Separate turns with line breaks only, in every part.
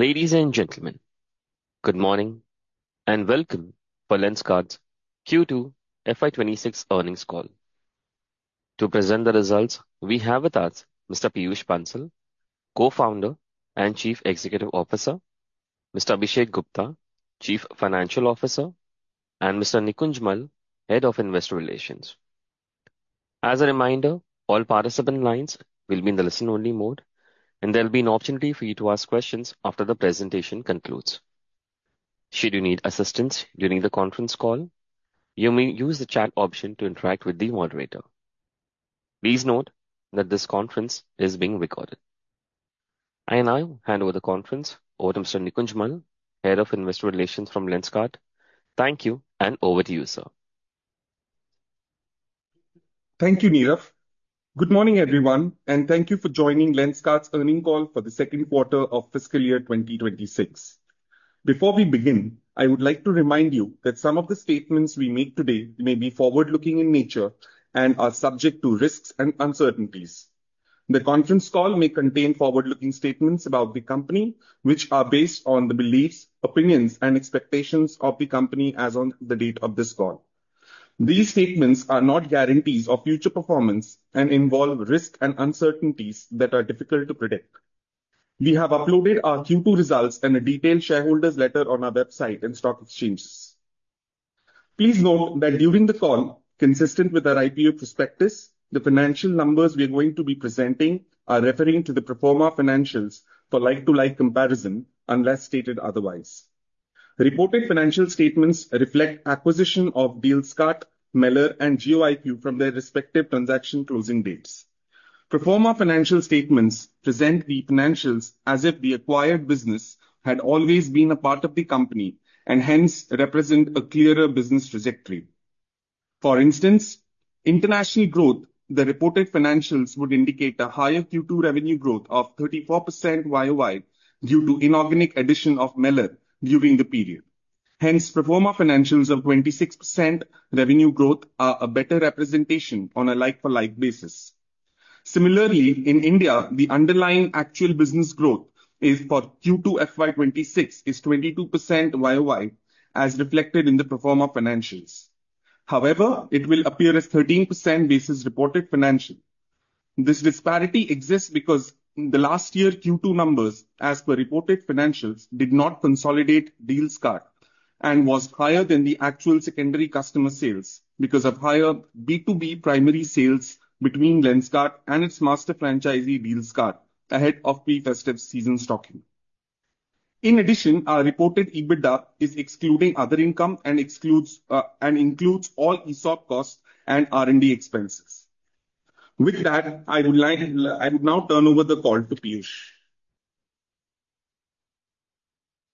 Ladies and gentlemen, good morning and Welcome for Lenskart's Q2 FY26 Earnings Call. To present the results, we have with us Mr. Peyush Bansal, Co-founder and Chief Executive Officer, Mr. Abhishek Gupta, Chief Financial Officer, and Mr. Nikunj Mall, Head of Investor Relations. As a reminder, all participant lines will be in the listen-only mode, and there'll be an opportunity for you to ask questions after the presentation concludes. Should you need assistance during the conference call, you may use the chat option to interact with the moderator. Please note that this conference is being recorded. I now hand over the conference to Mr. Nikunj Mall, Head of Investor Relations from Lenskart. Thank you, and over to you, sir.
Thank you, Nirav. Good morning, everyone, and thank you for joining Lenskart's earnings call for the second quarter of fiscal year 2026. Before we begin, I would like to remind you that some of the statements we make today may be forward-looking in nature and are subject to risks and uncertainties. The conference call may contain forward-looking statements about the company, which are based on the beliefs, opinions, and expectations of the company as of the date of this call. These statements are not guarantees of future performance and involve risks and uncertainties that are difficult to predict. We have uploaded our Q2 results and a detailed shareholders' letter on our website and stock exchanges. Please note that during the call, consistent with our IPO prospectus, the financial numbers we are going to be presenting are referring to the pro forma financials for like-for-like comparison, unless stated otherwise. Reported financial statements reflect acquisition of Dealskart, Meller, and GeoIQ from their respective transaction closing dates. Pro forma financial statements present the financials as if the acquired business had always been a part of the company and hence represent a clearer business trajectory. For instance, international growth, the reported financials would indicate a higher Q2 revenue growth of 34% YoY due to inorganic addition of Meller during the period. Hence, proforma financials of 26% revenue growth are a better representation on a like-for-like basis. Similarly, in India, the underlying actual business growth for Q2 FY26 is 22% year-over-year, as reflected in the proforma financials. However, it will appear as 13% basis reported financial. This disparity exists because the last year Q2 numbers, as per reported financials, did not consolidate Dealskart and was higher than the actual secondary customer sales because of higher B2B primary sales between Lenskart and its master franchisee Dealskart ahead of pre-festive season stocking. In addition, our reported EBITDA is excluding other income and includes all ESOP costs and R&D expenses. With that, I would now turn over the call to Peyush.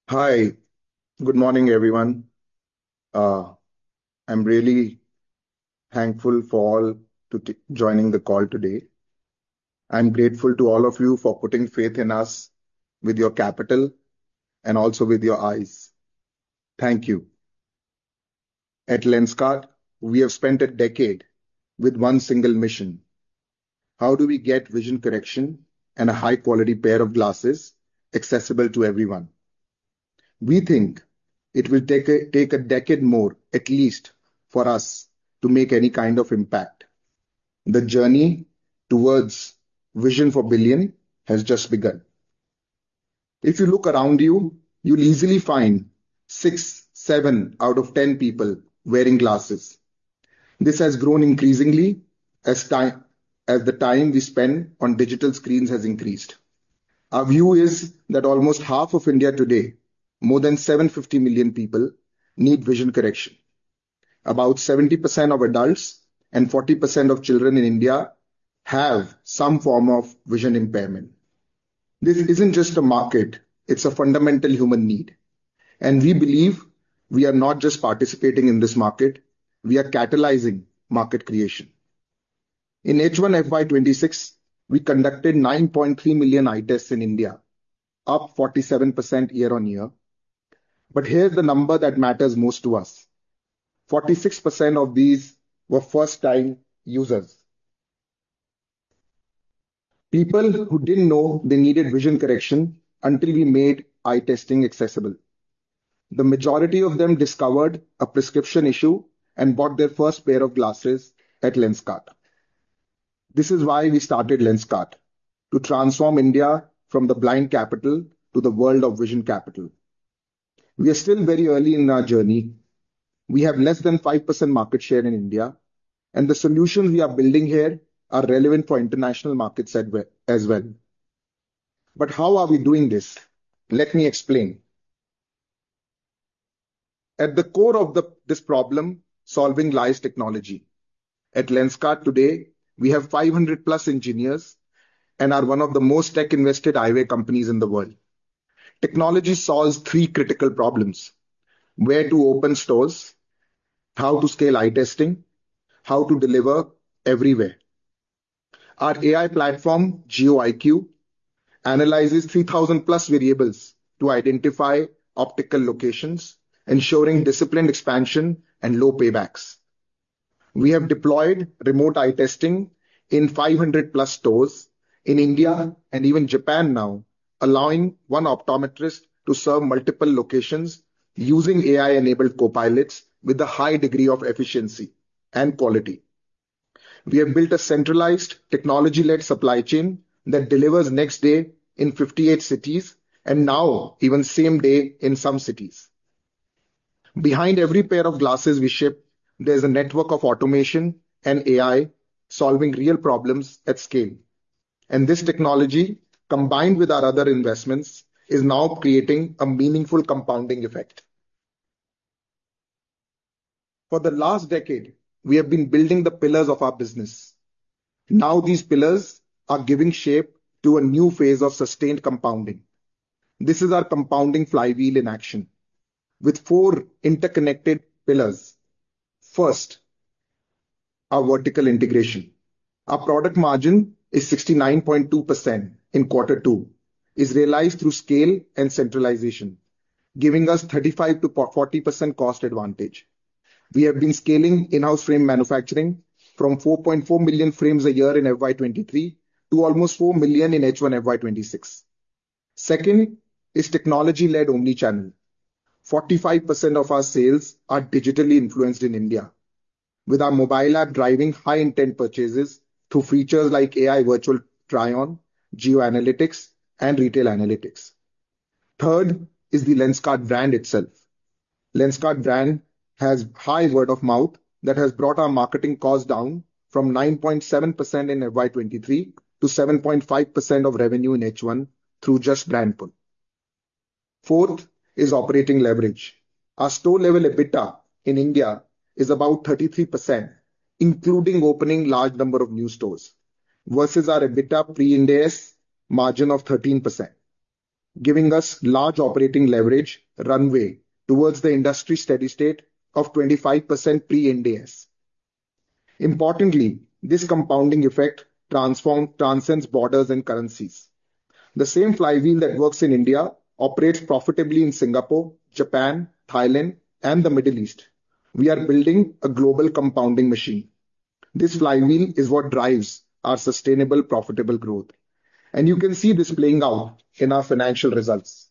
Hi, good morning, everyone. I'm really thankful for all joining the call today. I'm grateful to all of you for putting faith in us with your capital and also with your eyes. Thank you. At Lenskart, we have spent a decade with one single mission: how do we get vision correction and a high-quality pair of glasses accessible to everyone? We think it will take a decade more, at least, for us to make any kind of impact. The journey towards vision for a billion has just begun. If you look around you, you'll easily find six, seven out of 10 people wearing glasses. This has grown increasingly as the time we spend on digital screens has increased. Our view is that almost half of India today, more than 750 million people, need vision correction. About 70% of adults and 40% of children in India have some form of vision impairment. This isn't just a market. It's a fundamental human need. And we believe we are not just participating in this market. We are catalyzing market creation. In H1 FY26, we conducted 9.3 million eye tests in India, up 47% year-on-year. But here's the number that matters most to us, 46% of these were first-time users. People who didn't know they needed vision correction until we made eye testing accessible. The majority of them discovered a prescription issue and bought their first pair of glasses at Lenskart. This is why we started Lenskart: to transform India from the blind capital to the world of vision capital. We are still very early in our journey. We have less than 5% market share in India, and the solutions we are building here are relevant for international markets as well. But how are we doing this? Let me explain. At the core of this problem-solving lies technology. At Lenskart today, we have 500-plus engineers and are one of the most tech-invested eyewear companies in the world. Technology solves three critical problems: where to open stores, how to scale eye testing, and how to deliver everywhere. Our AI platform, GeoIQ, analyzes 3,000+ variables to identify optical locations, ensuring disciplined expansion and low paybacks. We have deployed remote eye testing in 500+ stores in India and even Japan now, allowing one optometrist to serve multiple locations using AI-enabled copilots with a high degree of efficiency and quality. We have built a centralized, technology-led supply chain that delivers next day in 58 cities and now even same day in some cities. Behind every pair of glasses we ship, there's a network of automation and AI solving real problems at scale. And this technology, combined with our other investments, is now creating a meaningful compounding effect. For the last decade, we have been building the pillars of our business. Now these pillars are giving shape to a new phase of sustained compounding. This is our compounding flywheel in action, with four interconnected pillars. First, our vertical integration. Our product margin is 69.2% in Q2, realized through scale and centralization, giving us 35%-40% cost advantage. We have been scaling in-house frame manufacturing from 4.4 million frames a year in FY23 to almost four million in H1 FY26. Second is technology-led omnichannel. 45% of our sales are digitally influenced in India, with our mobile app driving high-intent purchases through features like AI virtual try-on, geo-analytics, and retail analytics. Third is the Lenskart brand itself. Lenskart brand has high word of mouth that has brought our marketing cost down from 9.7% in FY23 to 7.5% of revenue in H1 through just brand pull. Fourth is operating leverage. Our store-level EBITDA in India is about 33%, including opening a large number of new stores, versus our EBITDA pre-Ind AS margin of 13%, giving us large operating leverage runway towards the industry steady state of 25% pre-Ind AS. Importantly, this compounding effect transcends borders and currencies. The same flywheel that works in India operates profitably in Singapore, Japan, Thailand, and the Middle East. We are building a global compounding machine. This flywheel is what drives our sustainable, profitable growth. You can see this playing out in our financial results.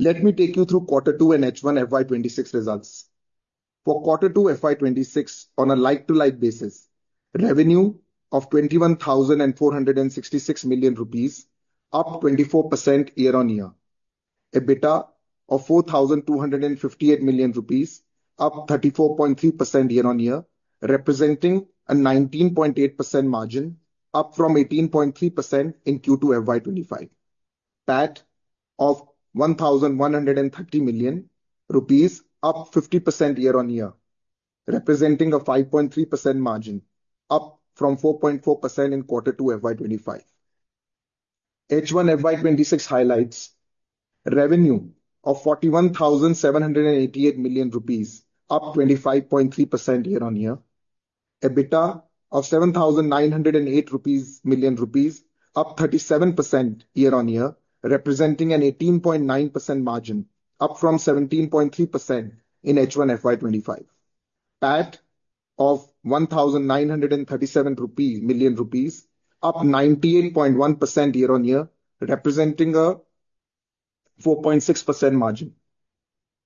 Let me take you through Q2 and H1 FY26 results. For Q2 FY26, on a like-to-like basis, revenue of 21,466 million rupees, up 24% year-on-year. EBITDA of 4,258 million rupees, up 34.3% year-on-year, representing a 19.8% margin, up from 18.3% in Q2 FY25. PAT of INR 1,130 million, up 50% year-on-year, representing a 5.3% margin, up from 4.4% in Q2 FY25. H1 FY26 highlights revenue of 41,788 million rupees, up 25.3% year-on-year. EBITDA of 7,908 million rupees, up 37% year-on-year, representing an 18.9% margin, up from 17.3% in H1 FY25. PAT of INR 1,937 million, up 98.1% year-on-year, representing a 4.6% margin.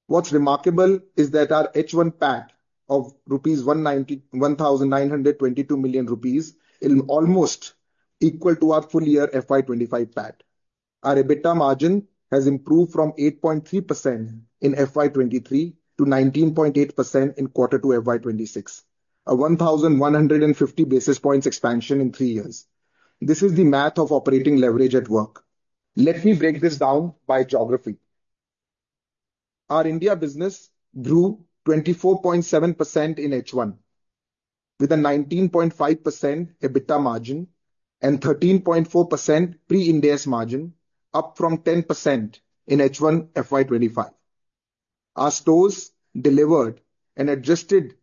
What's remarkable is that our H1 PAT of 1,922 million rupees is almost equal to our full-year FY25 PAT. Our EBITDA margin has improved from 8.3% in FY23 to 19.8% in Q2 FY26, a 1,150 basis points expansion in three years. This is the math of operating leverage at work. Let me break this down by geography. Our India business grew 24.7% in H1, with a 19.5% EBITDA margin and 13.4% pre-Ind AS margin, up from 10% in H1 FY25. Our stores delivered an adjusted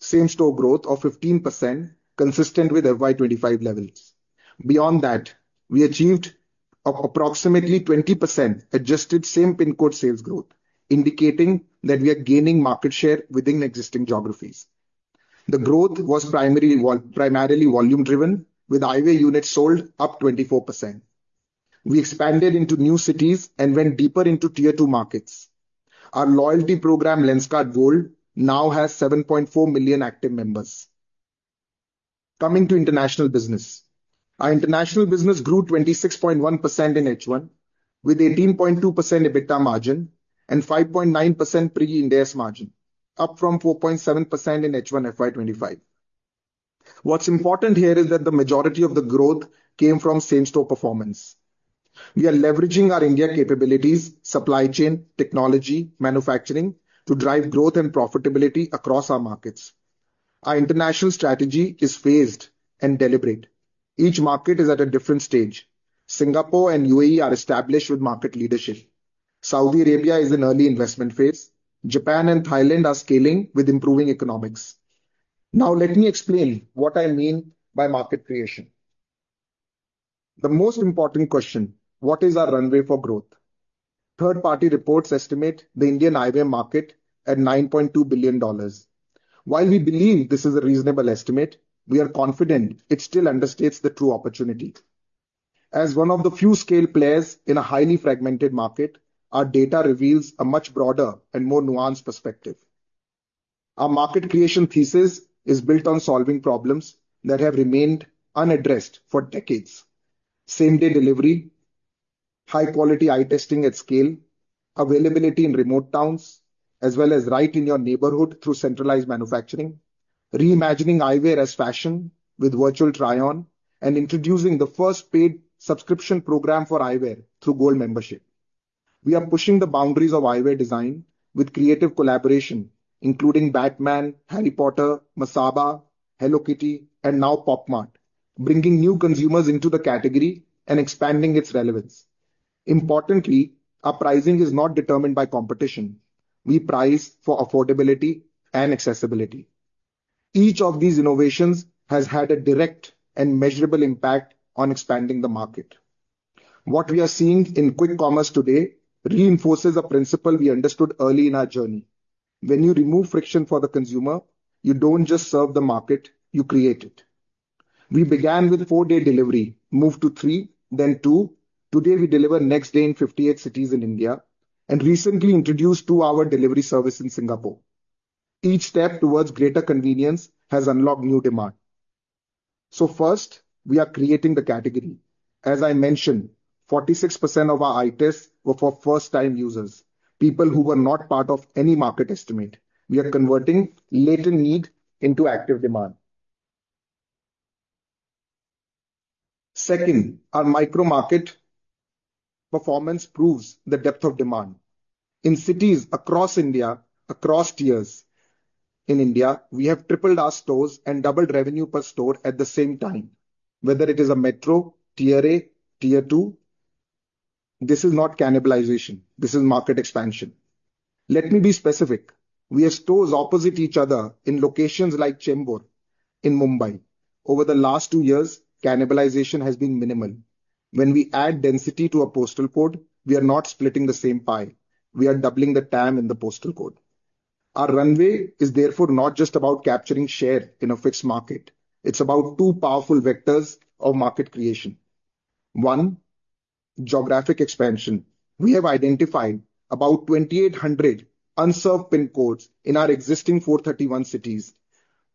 same-store growth of 15%, consistent with FY25 levels. Beyond that, we achieved approximately 20% adjusted same-pin code sales growth, indicating that we are gaining market share within existing geographies. The growth was primarily volume-driven, with eyewear units sold up 24%. We expanded into new cities and went deeper into Tier 2 markets. Our loyalty program, Lenskart Gold, now has 7.4 million active members. Coming to international business, our international business grew 26.1% in H1, with 18.2% EBITDA margin and 5.9% pre-Ind AS margin, up from 4.7% in H1 FY25. What's important here is that the majority of the growth came from same-store performance. We are leveraging our India capabilities, supply chain, technology, manufacturing to drive growth and profitability across our markets. Our international strategy is phased and deliberate. Each market is at a different stage. Singapore and UAE are established with market leadership. Saudi Arabia is in early investment phase. Japan and Thailand are scaling with improving economics. Now, let me explain what I mean by market creation. The most important question, what is our runway for growth? Third-party reports estimate the Indian eyewear market at $9.2 billion. While we believe this is a reasonable estimate, we are confident it still understates the true opportunity. As one of the few scale players in a highly fragmented market, our data reveals a much broader and more nuanced perspective. Our market creation thesis is built on solving problems that have remained unaddressed for decades, same-day delivery, high-quality eye testing at scale, availability in remote towns, as well as right in your neighborhood through centralized manufacturing, reimagining eyewear as fashion with virtual try-on, and introducing the first paid subscription program for eyewear through Gold membership. We are pushing the boundaries of eyewear design with creative collaboration, including Batman, Harry Potter, Masaba, Hello Kitty, and now POP MART, bringing new consumers into the category and expanding its relevance. Importantly, our pricing is not determined by competition. We price for affordability and accessibility. Each of these innovations has had a direct and measurable impact on expanding the market. What we are seeing in quick commerce today reinforces a principle we understood early in our journey. When you remove friction for the consumer, you don't just serve the market. You create it. We began with four-day delivery, moved to three, then two. Today, we deliver next day in 58 cities in India and recently introduced a two-hour delivery service in Singapore. Each step towards greater convenience has unlocked new demand. So first, we are creating the category. As I mentioned, 46% of our eye tests were for first-time users, people who were not part of any market estimate. We are converting latent need into active demand. Second, our micro-market performance proves the depth of demand. In cities across India, across tiers in India, we have tripled our stores and doubled revenue per store at the same time. Whether it is a metro, Tier A, Tier 2, this is not cannibalization. This is market expansion. Let me be specific. We have stores opposite each other in locations like Chembur in Mumbai. Over the last two years, cannibalization has been minimal. When we add density to a postal code, we are not splitting the same pie. We are doubling the TAM in the postal code. Our runway is therefore not just about capturing share in a fixed market. It's about two powerful vectors of market creation. One, geographic expansion. We have identified about 2,800 unserved pin codes in our existing 431 cities,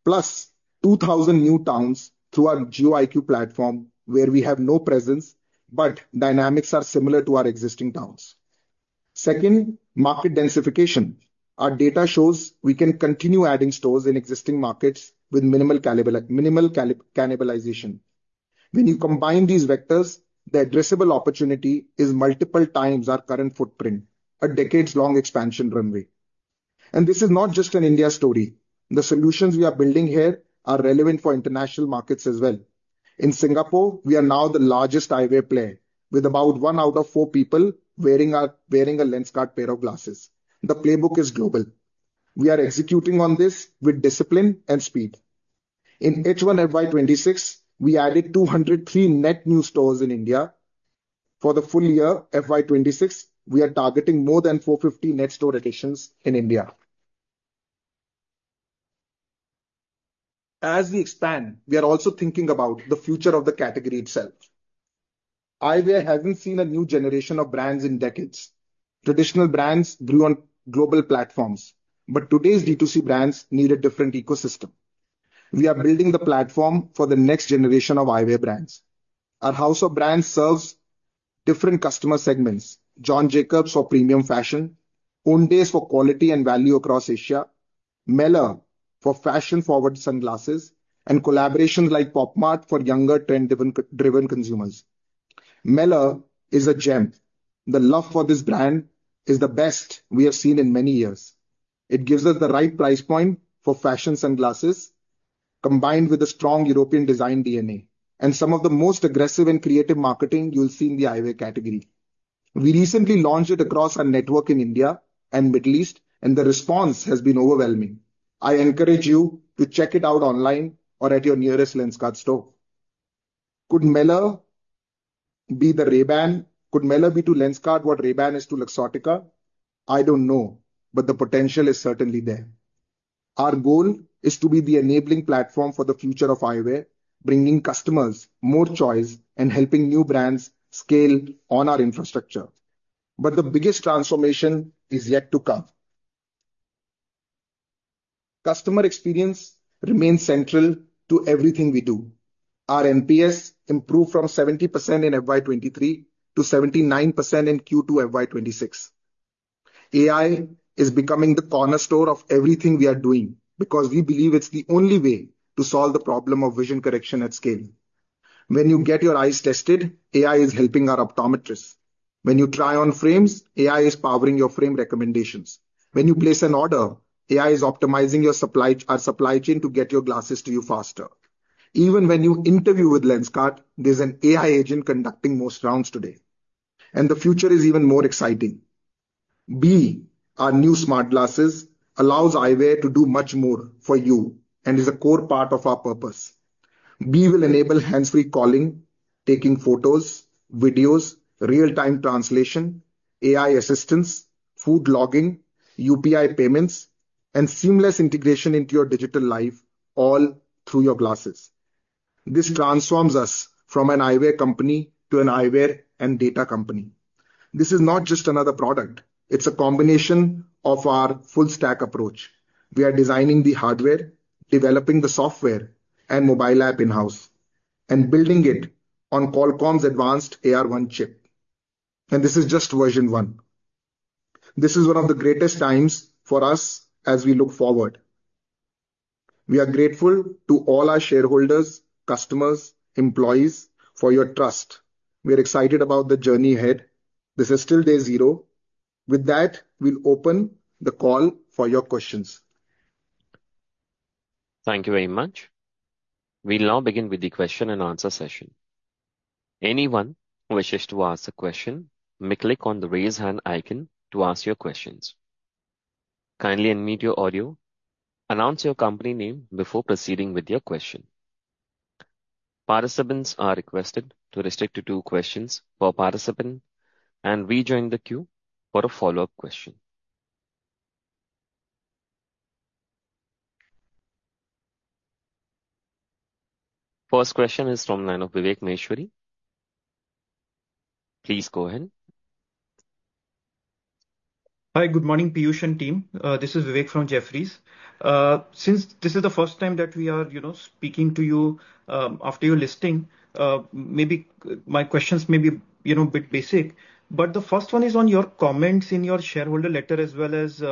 plus 2,000 new towns through our GeoIQ platform, where we have no presence, but dynamics are similar to our existing towns. Second, market densification. Our data shows we can continue adding stores in existing markets with minimal cannibalization. When you combine these vectors, the addressable opportunity is multiple times our current footprint, a decades-long expansion runway. And this is not just an India story. The solutions we are building here are relevant for international markets as well. In Singapore, we are now the largest eyewear player, with about one out of four people wearing a Lenskart pair of glasses. The playbook is global. We are executing on this with discipline and speed. In H1 FY26, we added 203 net new stores in India. For the full year FY26, we are targeting more than 450 net store additions in India. As we expand, we are also thinking about the future of the category itself. Eyewear hasn't seen a new generation of brands in decades. Traditional brands grew on global platforms, but today's D2C brands need a different ecosystem. We are building the platform for the next generation of eyewear brands. Our house of brands serves different customer segments: John Jacobs for premium fashion, OWNDAYS for quality and value across Asia, Meller for fashion-forward sunglasses, and collaborations like POP MART for younger trend-driven consumers. Meller is a gem. The love for this brand is the best we have seen in many years. It gives us the right price point for fashion sunglasses, combined with a strong European design DNA and some of the most aggressive and creative marketing you'll see in the eyewear category. We recently launched it across our network in India and Middle East, and the response has been overwhelming. I encourage you to check it out online or at your nearest Lenskart store. Could Meller be the Ray-Ban? Could Meller be to Lenskart what Ray-Ban is to Luxottica? I don't know, but the potential is certainly there. Our goal is to be the enabling platform for the future of eyewear, bringing customers more choice and helping new brands scale on our infrastructure. But the biggest transformation is yet to come. Customer experience remains central to everything we do. Our NPS improved from 70% in FY23 to 79% in Q2 FY26. AI is becoming the cornerstone of everything we are doing because we believe it's the only way to solve the problem of vision correction at scale. When you get your eyes tested, AI is helping our optometrists. When you try on frames, AI is powering your frame recommendations. When you place an order, AI is optimizing our supply chain to get your glasses to you faster. Even when you interview with Lenskart, there's an AI agent conducting most rounds today. And the future is even more exciting. B, our new smart glasses, allows eyewear to do much more for you and is a core part of our purpose. B will enable hands-free calling, taking photos, videos, real-time translation, AI assistance, food logging, UPI payments, and seamless integration into your digital life, all through your glasses. This transforms us from an eyewear company to an eyewear and data company. This is not just another product. It's a combination of our full-stack approach. We are designing the hardware, developing the software, and mobile app in-house, and building it on Qualcomm's advanced AR1 chip, and this is just version one. This is one of the greatest times for us as we look forward. We are grateful to all our shareholders, customers, employees for your trust. We are excited about the journey ahead. This is still day zero. With that, we'll open the call for your questions.
Thank you very much. We'll now begin with the question and answer session. Anyone who wishes to ask a question, may click on the raise hand icon to ask your questions. Kindly unmute your audio. Announce your company name before proceeding with your question. Participants are requested to restrict to two questions per participant and rejoin the queue for a follow-up question. First question is from the line of Vivek Maheshwari. Please go ahead.
Hi, good morning, Peyush and team. This is Vivek from Jefferies. Since this is the first time that we are, you know, speaking to you after your listing, maybe my questions may be, you know, a bit basic. But the first one is on your comments in your shareholder letter as well as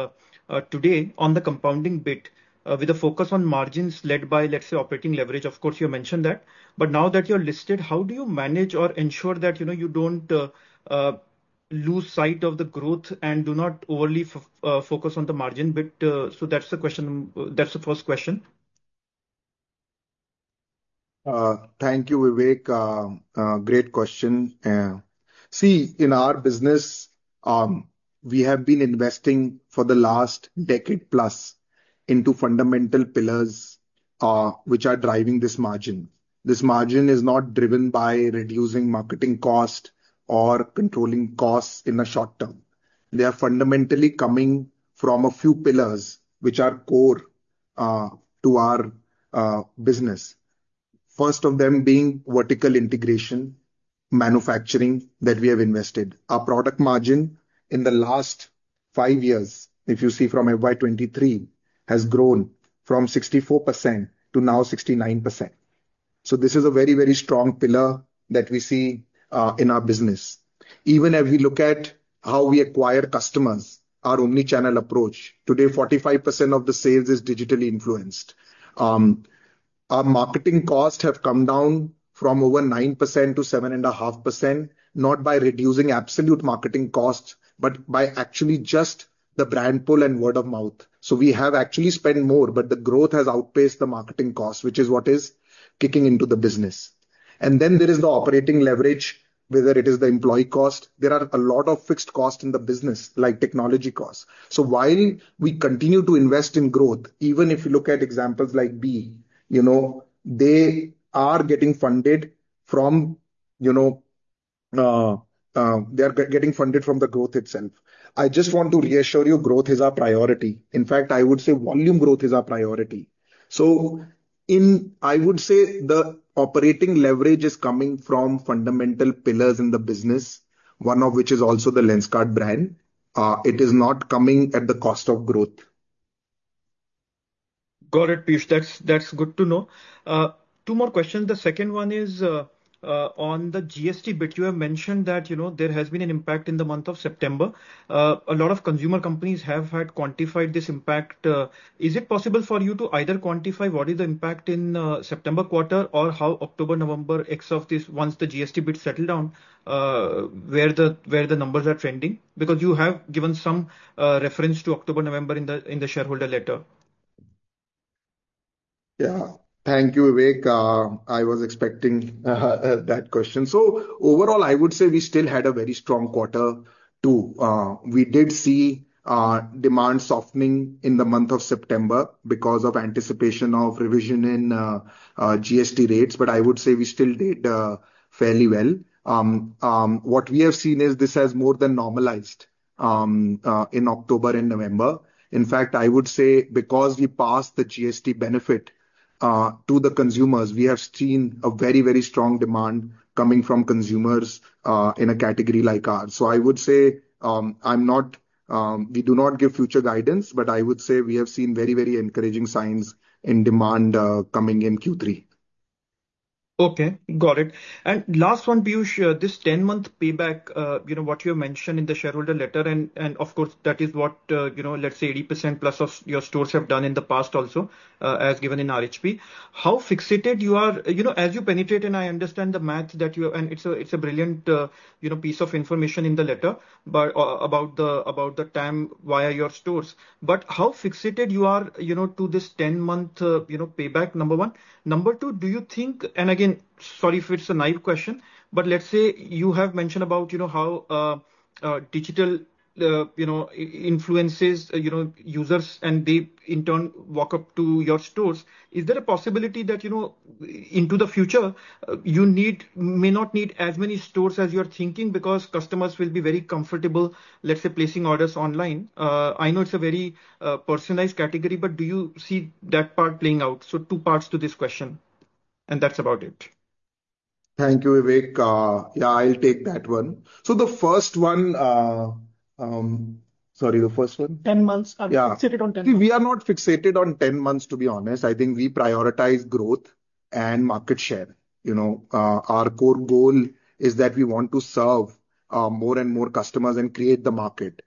today on the compounding bit with a focus on margins led by, let's say, operating leverage. Of course, you mentioned that. But now that you're listed, how do you manage or ensure that, you know, you don't lose sight of the growth and do not overly focus on the margin bit? So that's the question. That's the first question.
Thank you, Vivek. Great question. See, in our business, we have been investing for the last decade plus into fundamental pillars which are driving this margin. This margin is not driven by reducing marketing cost or controlling costs in the short term. They are fundamentally coming from a few pillars which are core to our business. First of them being vertical integration manufacturing that we have invested. Our product margin in the last five years, if you see from FY23, has grown from 64% to now 69%. So this is a very, very strong pillar that we see in our business. Even if we look at how we acquire customers, our omnichannel approach, today, 45% of the sales is digitally influenced. Our marketing costs have come down from over 9%-7.5%, not by reducing absolute marketing costs, but by actually just the brand pull and word of mouth, so we have actually spent more, but the growth has outpaced the marketing cost, which is what is kicking into the business, and then there is the operating leverage, whether it is the employee cost. There are a lot of fixed costs in the business, like technology costs, so while we continue to invest in growth, even if you look at examples like B, you know, they are getting funded from, you know, they are getting funded from the growth itself. I just want to reassure you, growth is our priority. In fact, I would say volume growth is our priority. So in, I would say the operating leverage is coming from fundamental pillars in the business, one of which is also the Lenskart brand. It is not coming at the cost of growth.
Got it, Peyush. That's good to know. Two more questions. The second one is on the GST bit. You have mentioned that, you know, there has been an impact in the month of September. A lot of consumer companies have had quantified this impact. Is it possible for you to either quantify what is the impact in September quarter or how October, November, X of this, once the GST bit settled down, where the numbers are trending? Because you have given some reference to October, November in the shareholder letter.
Yeah, thank you, Vivek. I was expecting that question. So overall, I would say we still had a very strong quarter too. We did see demand softening in the month of September because of anticipation of revision in GST rates. But I would say we still did fairly well. What we have seen is this has more than normalized in October and November. In fact, I would say because we passed the GST benefit to the consumers, we have seen a very, very strong demand coming from consumers in a category like ours. So I would say I'm not, we do not give future guidance, but I would say we have seen very, very encouraging signs in demand coming in Q3.
Okay, got it. And last one, Peyush, this 10-month payback, you know, what you mentioned in the shareholder letter, and of course, that is what, you know, let's say 80%+ of your stores have done in the past also, as given in RHP. How fixated you are, you know, as you penetrate, and I understand the math that you, and it's a brilliant, you know, piece of information in the letter, but about the time via your stores. But how fixated you are, you know, to this 10-month, you know, payback? Number one. Number two, do you think, and again, sorry if it's a naive question, but let's say you have mentioned about, you know, how digital, you know, influences, you know, users, and they in turn walk up to your stores. Is there a possibility that, you know, into the future, you may not need as many stores as you're thinking because customers will be very comfortable, let's say, placing orders online? I know it's a very personalized category, but do you see that part playing out? So two parts to this question, and that's about it.
Thank you, Vivek. Yeah, I'll take that one. So the first one, sorry, the first one? 10 months. Are we fixated on 10 months? See, we are not fixated on 10 months, to be honest. I think we prioritize growth and market share. You know, our core goal is that we want to serve more and more customers and create the market.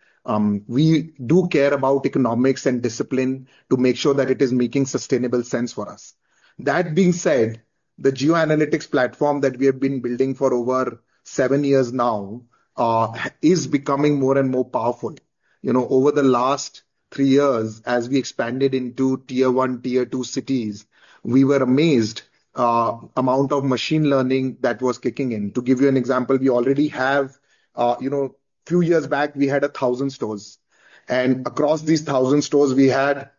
We do care about economics and discipline to make sure that it is making sustainable sense for us. That being said, the GeoIQ platform that we have been building for over seven years now is becoming more and more powerful. You know, over the last three years, as we expanded into Tier 1, Tier 2 cities, we were amazed by the amount of machine learning that was kicking in. To give you an example, we already have, you know, a few years back, we had a thousand stores. Across these 1,000 stores, we had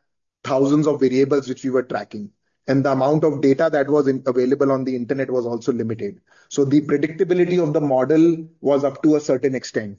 thousands of variables which we were tracking. The amount of data that was available on the internet was also limited. So the predictability of the model was up to a certain extent.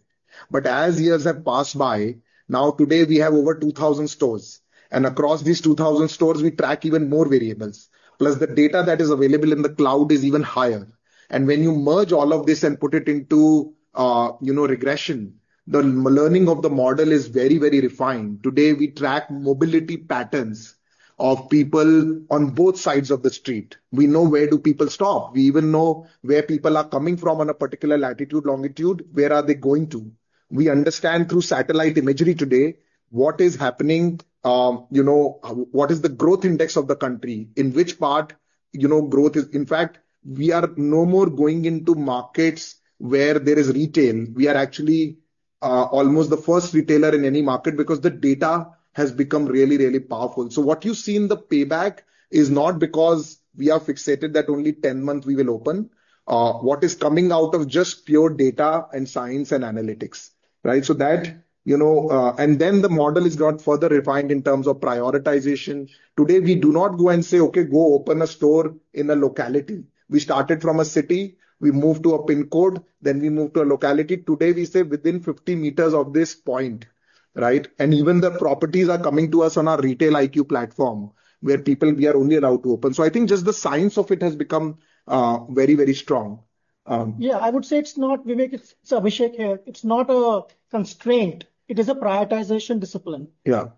But as years have passed by, now today we have over 2,000 stores. Across these 2,000 stores, we track even more variables. Plus, the data that is available in the cloud is even higher. When you merge all of this and put it into, you know, regression, the learning of the model is very, very refined. Today, we track mobility patterns of people on both sides of the street. We know where do people stop. We even know where people are coming from on a particular latitude, longitude, where are they going to. We understand through satellite imagery today what is happening, you know, what is the growth index of the country, in which part, you know, growth is. In fact, we are no more going into markets where there is retail. We are actually almost the first retailer in any market because the data has become really, really powerful. So what you see in the payback is not because we are fixated that only 10 months we will open. What is coming out of just pure data and science and analytics, right? So that, you know, and then the model is not further refined in terms of prioritization. Today, we do not go and say, okay, go open a store in a locality. We started from a city, we moved to a pin code, then we moved to a locality. Today, we say within 50m of this point, right? Even the properties are coming to us on our RetailIQ platform where people we are only allowed to open. So I think just the science of it has become very, very strong.
Yeah, I would say it's not, Vivek, it's Abhishek here. It's not a constraint. It is a prioritization discipline.
Yeah.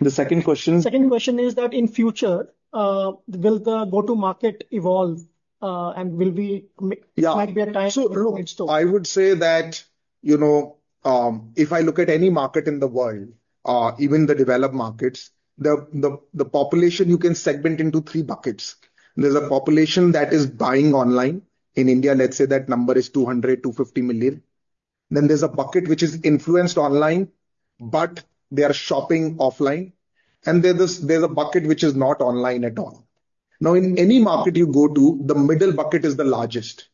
The second question.
Second question is that in future, will the go-to-market evolve and will we might be a time for growing stores?
I would say that, you know, if I look at any market in the world, even the developed markets, the population you can segment into three buckets. There's a population that is buying online. In India, let's say that number is 200 million-250 million. Then there's a bucket which is influenced online, but they are shopping offline. And there's a bucket which is not online at all. Now, in any market you go to, the middle bucket is the largest.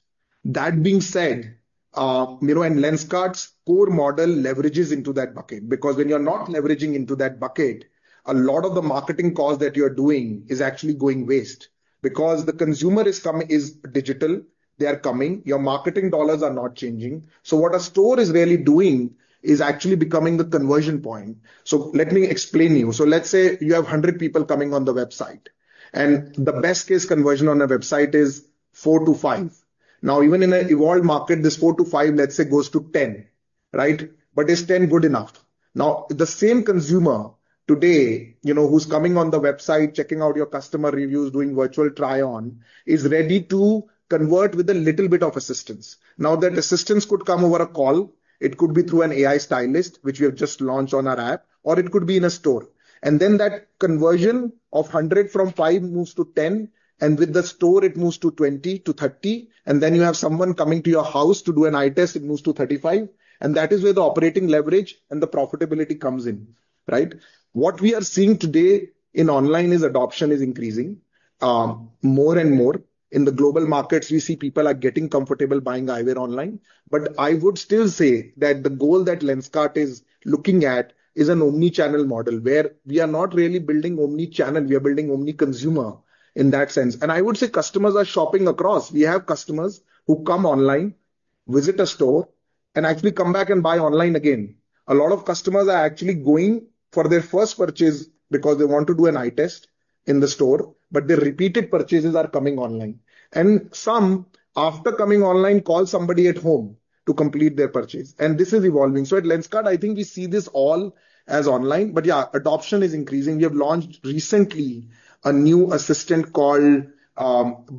That being said, you know, and Lenskart's core model leverages into that bucket. Because when you're not leveraging into that bucket, a lot of the marketing cost that you're doing is actually going waste. Because the consumer is coming, is digital, they are coming, your marketing dollars are not changing. So what a store is really doing is actually becoming the conversion point. So let me explain to you. So let's say you have 100 people coming on the website. And the best case conversion on a website is four to five. Now, even in an evolved market, this four to five, let's say, goes to 10, right? But is 10 good enough? Now, the same consumer today, you know, who's coming on the website, checking out your customer reviews, doing virtual try-on, is ready to convert with a little bit of assistance. Now, that assistance could come over a call, it could be through an AI stylist, which we have just launched on our app, or it could be in a store, and then that conversion of 100 from five moves to 10, and with the store, it moves to 20-30, and then you have someone coming to your house to do an eye test, it moves to 35, and that is where the operating leverage and the profitability comes in, right? What we are seeing today in online is adoption is increasing more and more. In the global markets, we see people are getting comfortable buying eyewear online. But I would still say that the goal that Lenskart is looking at is an omnichannel model where we are not really building omnichannel, we are building omniconsumer in that sense. And I would say customers are shopping across. We have customers who come online, visit a store, and actually come back and buy online again. A lot of customers are actually going for their first purchase because they want to do an eye test in the store, but their repeated purchases are coming online. And some, after coming online, call somebody at home to complete their purchase. And this is evolving. So at Lenskart, I think we see this all as online. But yeah, adoption is increasing. We have launched recently a new assistant called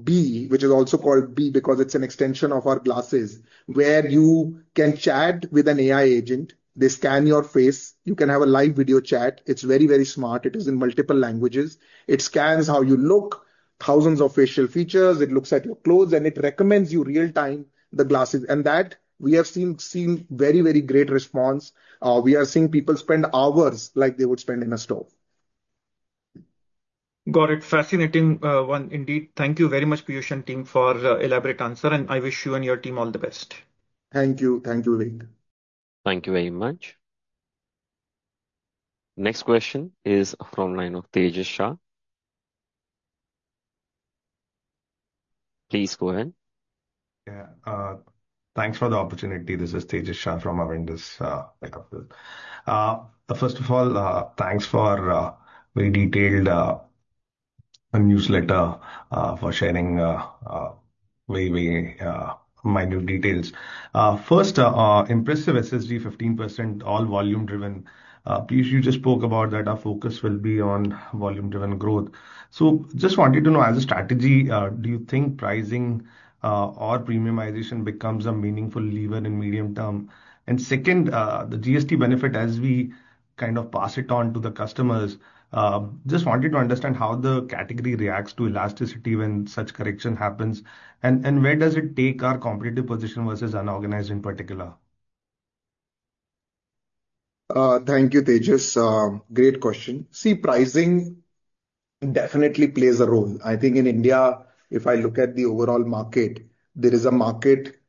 B, which is also called B because it's an extension of our glasses, where you can chat with an AI agent. They scan your face. You can have a live video chat. It's very, very smart. It is in multiple languages. It scans how you look, thousands of facial features. It looks at your clothes, and it recommends you real-time the glasses. And that we have seen very, very great response. We are seeing people spend hours like they would spend in a store.
Got it. Fascinating one indeed. Thank you very much, Peyush and team, for the elaborate answer. And I wish you and your team all the best.
Thank you. Thank you, Vivek.
Thank you very much. Next question is from Tejas Shah. Please go ahead.
Yeah, thanks for the opportunity. This is Tejas Shah from Avendus. First of all, thanks for a very detailed newsletter for sharing very, very minute details. First, impressive SSG 15% all volume-driven. Peyush, you just spoke about that our focus will be on volume-driven growth. So just wanted to know, as a strategy, do you think pricing or premiumization becomes a meaningful lever in medium term? And second, the GST benefit, as we kind of pass it on to the customers, just wanted to understand how the category reacts to elasticity when such correction happens. And where does it take our competitive position versus unorganized in particular?
Thank you, Tejas. Great question. See, pricing definitely plays a role. I think in India, if I look at the overall market, there is a market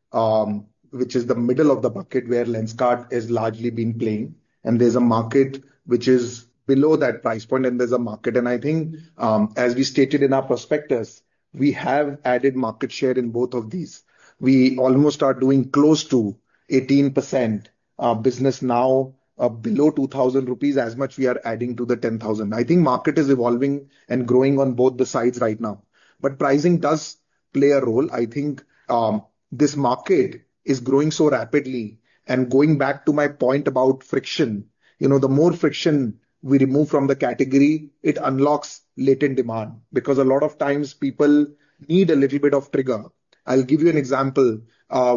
which is the middle of the bucket where Lenskart has largely been playing. And there's a market which is below that price point, and there's a market. And I think, as we stated in our prospectus, we have added market share in both of these. We almost are doing close to 18% business now, below 2,000 rupees as much we are adding to the 10,000. I think market is evolving and growing on both the sides right now. But pricing does play a role. I think this market is growing so rapidly. And going back to my point about friction, you know, the more friction we remove from the category, it unlocks latent demand. Because a lot of times people need a little bit of trigger. I'll give you an example.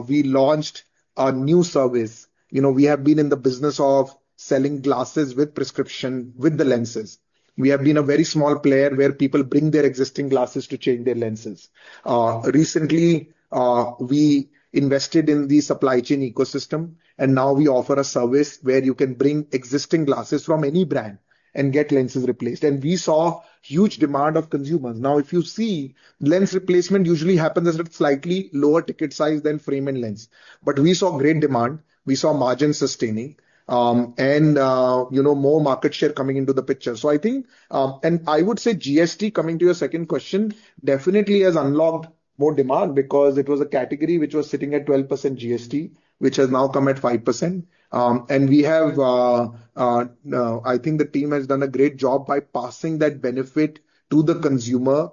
We launched a new service. You know, we have been in the business of selling glasses with prescription, with the lenses. We have been a very small player where people bring their existing glasses to change their lenses. Recently, we invested in the supply chain ecosystem, and now we offer a service where you can bring existing glasses from any brand and get lenses replaced. We saw huge demand from consumers. Now, if you see, lens replacement usually happens at a slightly lower ticket size than frame and lens. But we saw great demand. We saw margin sustaining, and, you know, more market share coming into the picture. So I think, and I would say GST, coming to your second question, definitely has unlocked more demand because it was a category which was sitting at 12% GST, which has now come at 5%. And we have, I think the team has done a great job by passing that benefit to the consumer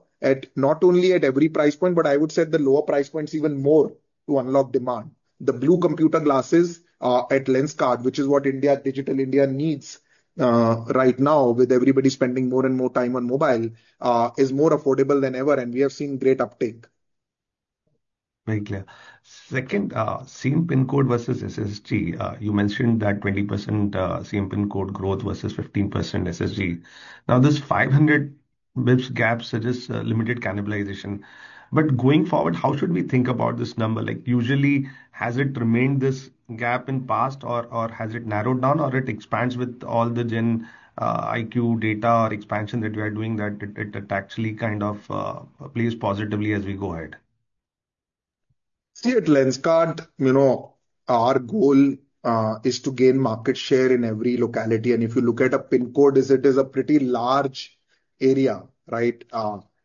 not only at every price point, but I would say at the lower price points even more to unlock demand. The blue computer glasses at Lenskart, which is what India, Digital India needs right now, with everybody spending more and more time on mobile, is more affordable than ever. And we have seen great uptake.
Very clear. Second, same-pin code versus SSG. You mentioned that 20% same-pin code growth versus 15% SSG. Now, this 500 basis points gap suggests limited cannibalization. But going forward, how should we think about this number? Like, usually, has it remained this gap in past, or has it narrowed down, or it expands with all the GeoIQ data or expansion that we are doing that it actually kind of plays positively as we go ahead?
See, at Lenskart, you know, our goal is to gain market share in every locality. And if you look at a pin code, it is a pretty large area, right?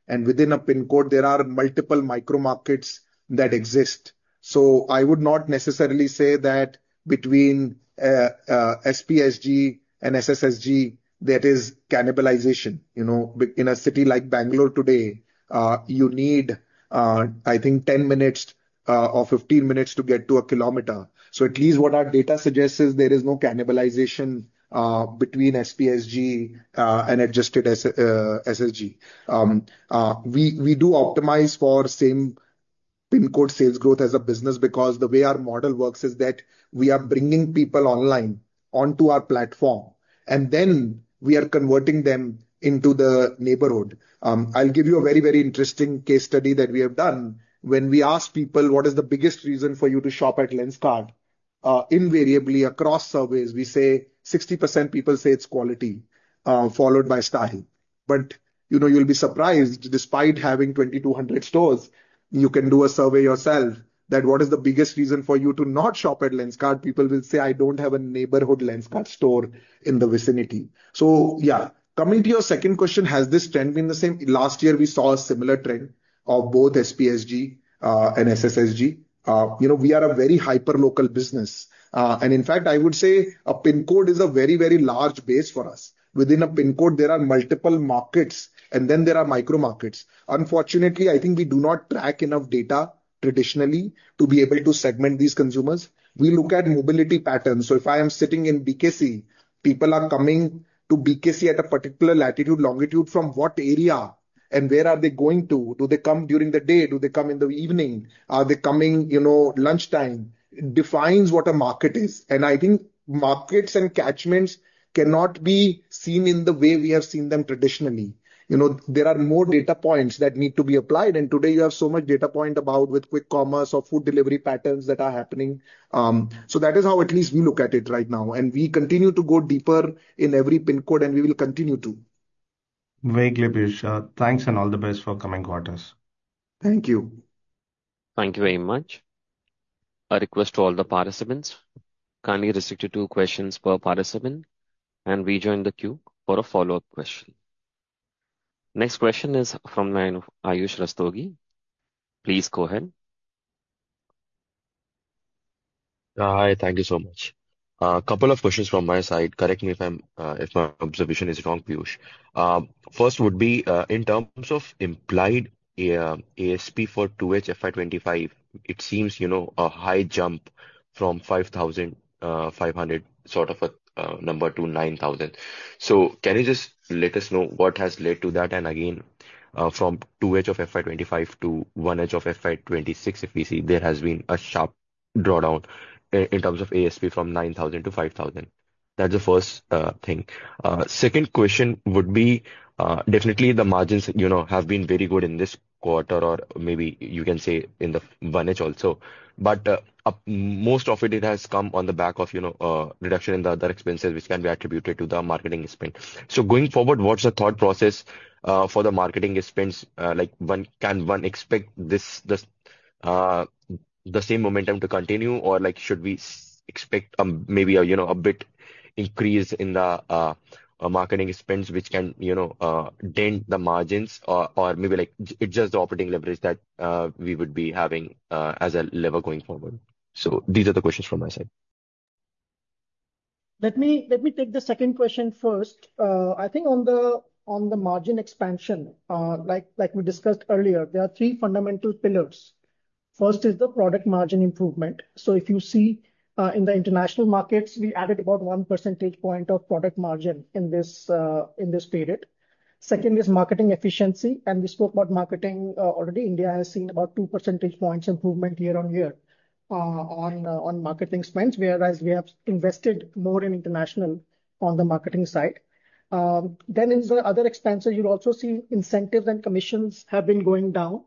And within a pin code, there are multiple micro markets that exist. So I would not necessarily say that between SPSG and SSSG, there is cannibalization. You know, in a city like Bangalore today, you need, I think, 10 minutes or 15 minutes to get to a kilometer. So at least what our data suggests is there is no cannibalization between SPSG and adjusted SSG. We do optimize for same-pin code sales growth as a business because the way our model works is that we are bringing people online onto our platform, and then we are converting them into the neighborhood. I'll give you a very, very interesting case study that we have done. When we ask people, what is the biggest reason for you to shop at Lenskart? Invariably, across surveys, we say 60% people say it's quality, followed by style. But you know, you'll be surprised, despite having 2,200 stores, you can do a survey yourself that what is the biggest reason for you to not shop at Lenskart? People will say, "I don't have a neighborhood Lenskart store in the vicinity." So yeah, coming to your second question, has this trend been the same? Last year, we saw a similar trend of both SPSG and SSSG. You know, we are a very hyperlocal business. And in fact, I would say a pin code is a very, very large base for us. Within a pin code, there are multiple markets, and then there are micro markets. Unfortunately, I think we do not track enough data traditionally to be able to segment these consumers. We look at mobility patterns. So if I am sitting in BKC, people are coming to BKC at a particular latitude, longitude from what area, and where are they going to? Do they come during the day? Do they come in the evening? Are they coming, you know, lunchtime? Defines what a market is. I think markets and catchments cannot be seen in the way we have seen them traditionally. You know, there are more data points that need to be applied. Today, you have so much data point about with quick commerce or food delivery patterns that are happening. So that is how at least we look at it right now. We continue to go deeper in every pin code, and we will continue to.
Very clear, Peyush. Thanks and all the best for coming quarters.
Thank you.
Thank you very much. A request to all the participants. Kindly restrict to questions per participant. We join the queue for a follow-up question. Next question is from the line of Ayush Rastogi. Please go ahead.
Hi, thank you so much. A couple of questions from my side. Correct me if my observation is wrong, Peyush. First would be in terms of implied ASP for 2H FY25, it seems, you know, a high jump from 5,500 sort of a number to 9,000. So can you just let us know what has led to that? And again, from 2H of FY25 to 1H of FY26, if we see, there has been a sharp drawdown in terms of ASP from 9,000 to 5,000. That's the first thing. Second question would be definitely the margins, you know, have been very good in this quarter, or maybe you can say in the 1H also. But most of it, it has come on the back of, you know, a reduction in the other expenses, which can be attributed to the marketing spend. So going forward, what's the thought process for the marketing expense? Like, can one expect the same momentum to continue, or like, should we expect maybe a, you know, a bit increase in the marketing expense, which can, you know, dent the margins, or maybe like, it's just the operating leverage that we would be having as a lever going forward? So these are the questions from my side.
Let me take the second question first. I think on the margin expansion, like we discussed earlier, there are three fundamental pillars. First is the product margin improvement. So if you see in the international markets, we added about one percentage point of product margin in this period. Second is marketing efficiency. And we spoke about marketing already. India has seen about two percentage points improvement year-on-year on marketing spends, whereas we have invested more in international on the marketing side. Then in the other expenses, you'll also see incentives and commissions have been going down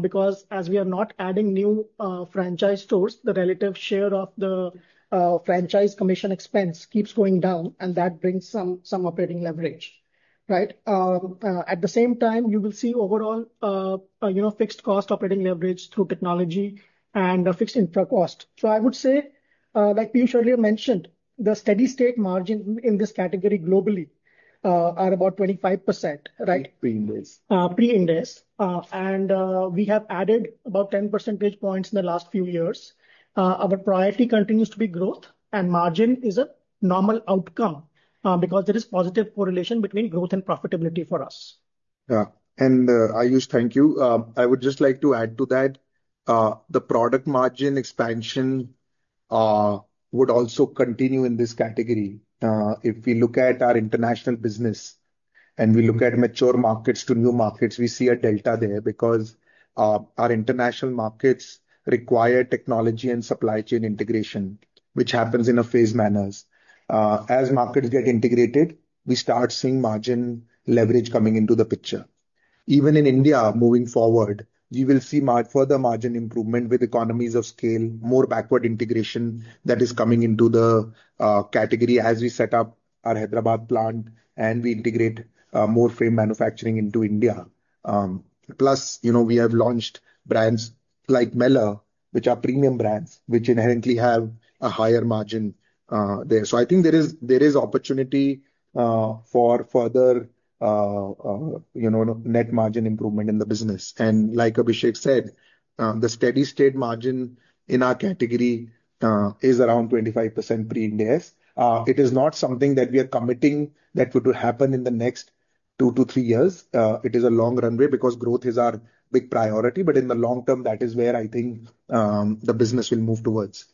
because as we are not adding new franchise stores, the relative share of the franchise commission expense keeps going down, and that brings some operating leverage, right? At the same time, you will see overall, you know, fixed cost operating leverage through technology and fixed infra cost. So I would say, like Peyush earlier mentioned, the steady state margin in this category globally are about 25%, right? Pre-Ind AS. Pre-Ind AS. And we have added about 10 percentage points in the last few years. Our priority continues to be growth, and margin is a normal outcome because there is positive correlation between growth and profitability for us.
Yeah. And Ayush, thank you. I would just like to add to that the product margin expansion would also continue in this category. If we look at our international business and we look at mature markets to new markets, we see a delta there because our international markets require technology and supply chain integration, which happens in a phased manner. As markets get integrated, we start seeing margin leverage coming into the picture. Even in India, moving forward, we will see further margin improvement with economies of scale, more backward integration that is coming into the category as we set up our Hyderabad plant and we integrate more frame manufacturing into India. Plus, you know, we have launched brands like Meller, which are premium brands, which inherently have a higher margin there. So I think there is opportunity for further, you know, net margin improvement in the business, and like Abhishek said, the steady state margin in our category is around 25% pre-Ind AS. It is not something that we are committing that would happen in the next two to three years. It is a long runway because growth is our big priority. But in the long term, that is where I think the business will move towards.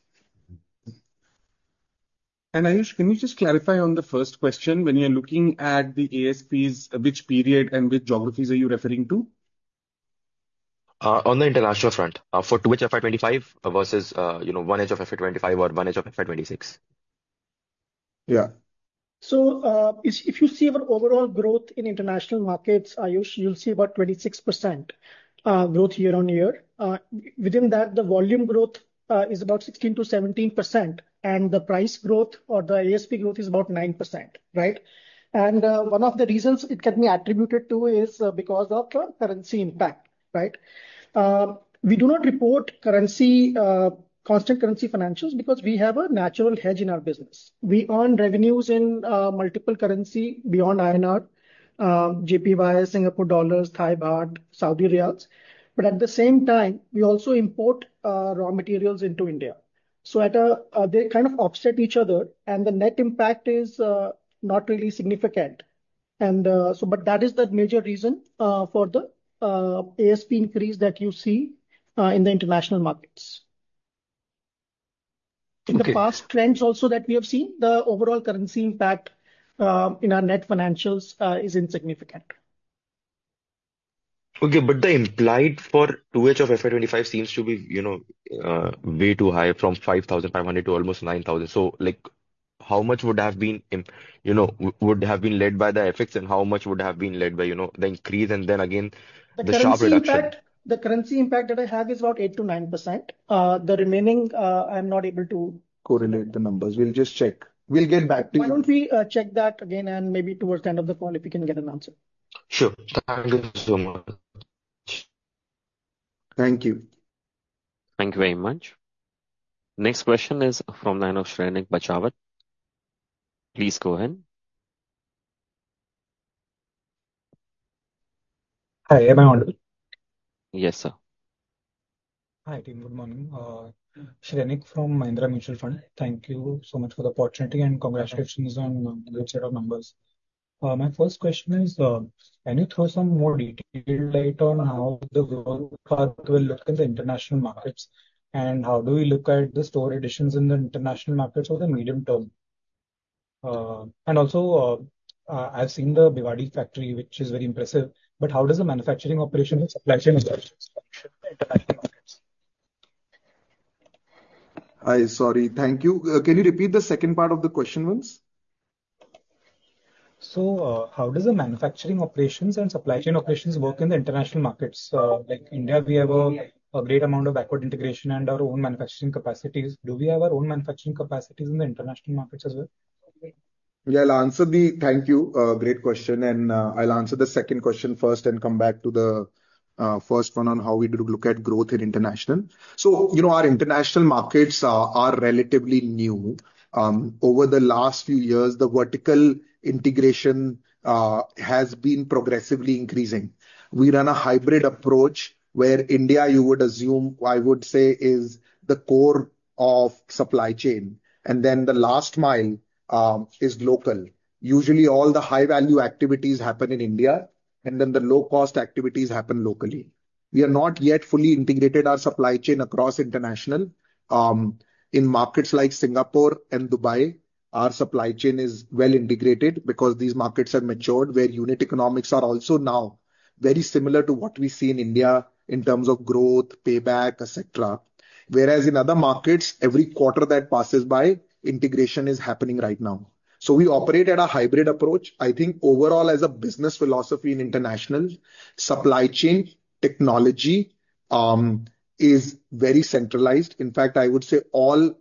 And Ayush, can you just clarify on the first question? When you're looking at the ASPs, which period and which geographies are you referring to?
On the international front, for 2H FY25 versus, you know, 1H of FY25 or 1H of FY26? Yeah.
So if you see overall growth in international markets, Ayush, you'll see about 26% growth year-on-year. Within that, the volume growth is about 16%-17%. And the price growth or the ASP growth is about 9%, right? And one of the reasons it can be attributed to is because of the currency impact, right? We do not report currency, constant currency financials because we have a natural hedge in our business. We earn revenues in multiple currency beyond INR, JPY, Singapore dollars, Thai Baht, Saudi riyals. But at the same time, we also import raw materials into India. So they kind of offset each other, and the net impact is not really significant. That is the major reason for the ASP increase that you see in the international markets. In the past trends also that we have seen, the overall currency impact in our net financials is insignificant.
Okay, the implied for 2H of FY25 seems to be, you know, way too high from 5,500 to almost 9,000.So like, how much would have been, you know, would have been led by the effects and how much would have been led by, you know, the increase and then again the sharp reduction?
The currency impact that I have is about 8%-9%. The remaining, I'm not able to
correlate the numbers. We'll just check. We'll get back to you.
Why don't we check that again and maybe towards the end of the call if you can get an answer?
Sure. Thank you so much.
Thank you.
Thank you very much. Next question is from Shrenik Bachhawat. Please go ahead.
Hi, am I on?
Yes, sir.
Hi, team. Good morning. Shrenik from Mahindra Mutual Fund. Thank you so much for the opportunity and congratulations on the good set of numbers. My first question is, can you throw some more detail light on how the growth path will look in the international markets and how do we look at the store additions in the international markets over the medium term? And also, I've seen the Bhiwadi factory, which is very impressive, but how does the manufacturing operation and supply chain operations work in international markets?
Hi, sorry. Thank you. Can you repeat the second part of the question once?
So how does the manufacturing operations and supply chain operations work in the international markets? Like India, we have a great amount of backward integration and our own manufacturing capacities. Do we have our own manufacturing capacities in the international markets as well?
Yeah, I'll answer that. Thank you, great question, and I'll answer the second question first and come back to the first one on how we look at growth in international. So, you know, our international markets are relatively new. Over the last few years, the vertical integration has been progressively increasing. We run a hybrid approach where India, you would assume, I would say, is the core of supply chain. And then the last mile is local. Usually, all the high-value activities happen in India, and then the low-cost activities happen locally. We have not yet fully integrated our supply chain across international. In markets like Singapore and Dubai, our supply chain is well integrated because these markets have matured, where unit economics are also now very similar to what we see in India in terms of growth, payback, et cetera. Whereas in other markets, every quarter that passes by, integration is happening right now. So we operate at a hybrid approach. I think overall, as a business philosophy in international, supply chain technology is very centralized. In fact, I would say all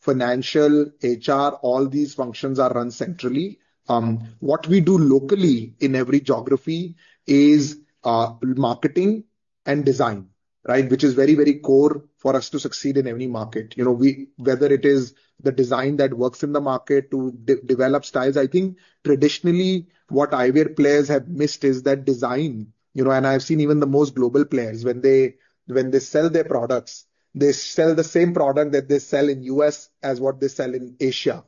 financial, HR, all these functions are run centrally. What we do locally in every geography is marketing and design, right? Which is very, very core for us to succeed in any market. You know, whether it is the design that works in the market to develop styles. I think traditionally, eyewear players have missed is that design. You know, and I've seen even the most global players, when they sell their products, they sell the same product that they sell in the U.S. as what they sell in Asia.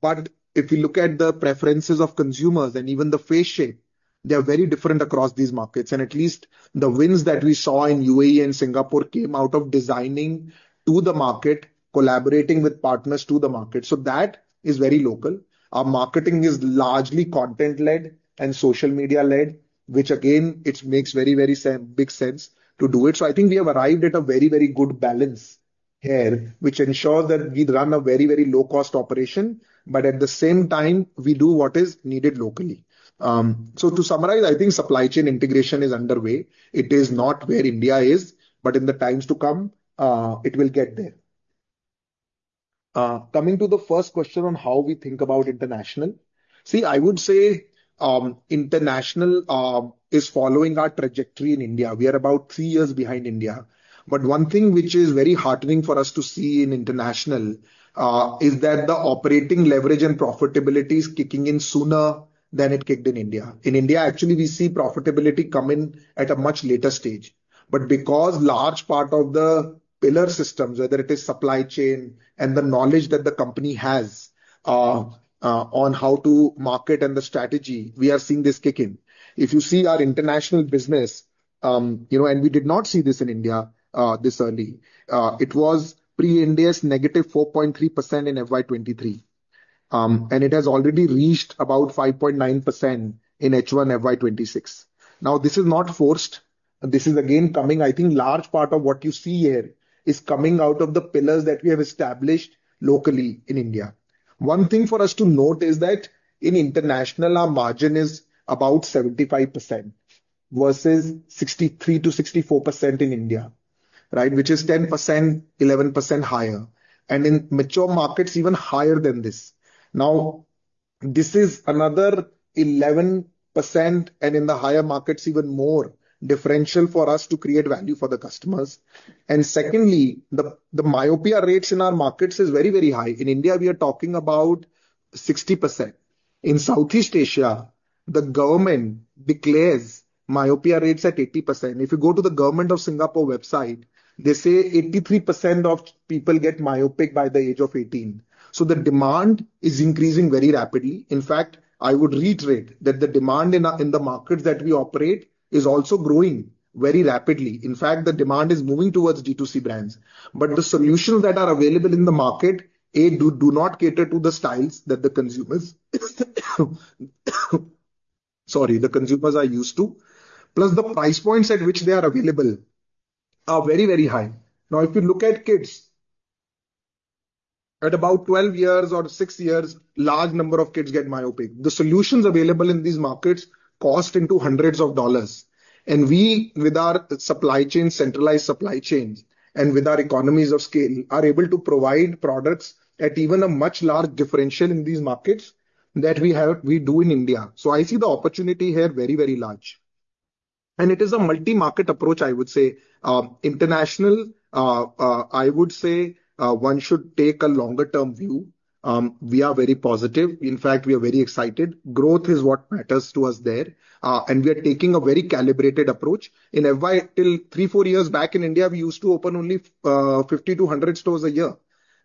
But if you look at the preferences of consumers and even the face shape, they are very different across these markets. And at least the wins that we saw in UAE and Singapore came out of designing to the market, collaborating with partners to the market. So that is very local. Our marketing is largely content-led and social media-led, which again, it makes very, very big sense to do it. So I think we have arrived at a very, very good balance here, which ensures that we run a very, very low-cost operation, but at the same time, we do what is needed locally. So to summarize, I think supply chain integration is underway. It is not where India is, but in the times to come, it will get there. Coming to the first question on how we think about international. See, I would say international is following our trajectory in India. We are about three years behind India. But one thing which is very heartening for us to see in international is that the operating leverage and profitability is kicking in sooner than it kicked in India. In India, actually, we see profitability come in at a much later stage. But because a large part of the pillar systems, whether it is supply chain and the knowledge that the company has on how to market and the strategy, we are seeing this kick in. If you see our international business, you know, and we did not see this in India this early. It was pre-Ind AS negative 4.3% in FY23. And it has already reached about 5.9% in H1 FY26. Now, this is not forced. This is again coming, I think, large part of what you see here is coming out of the pillars that we have established locally in India. One thing for us to note is that in international, our margin is about 75% versus 63%-64% in India, right? Which is 10%, 11% higher. And in mature markets, even higher than this. Now, this is another 11% and in the higher markets, even more differential for us to create value for the customers. And secondly, the myopia rates in our markets is very, very high. In India, we are talking about 60%. In Southeast Asia, the government declares myopia rates at 80%. If you go to the government of Singapore website, they say 83% of people get myopic by the age of 18. So the demand is increasing very rapidly. In fact, I would reiterate that the demand in the markets that we operate is also growing very rapidly. In fact, the demand is moving towards D2C brands. But the solutions that are available in the market, A, do not cater to the styles that the consumers, sorry, the consumers are used to. Plus, the price points at which they are available are very, very high. Now, if you look at kids at about 12 years or six years, a large number of kids get myopic. The solutions available in these markets cost into hundreds of dollars. And we, with our supply chain, centralized supply chain, and with our economies of scale, are able to provide products at even a much larger differential in these markets that we do in India. So I see the opportunity here very, very large. And it is a multi-market approach, I would say. International, I would say one should take a longer-term view. We are very positive. In fact, we are very excited. Growth is what matters to us there. And we are taking a very calibrated approach. In FY, till three, four years back in India, we used to open only 50-100 stores a year.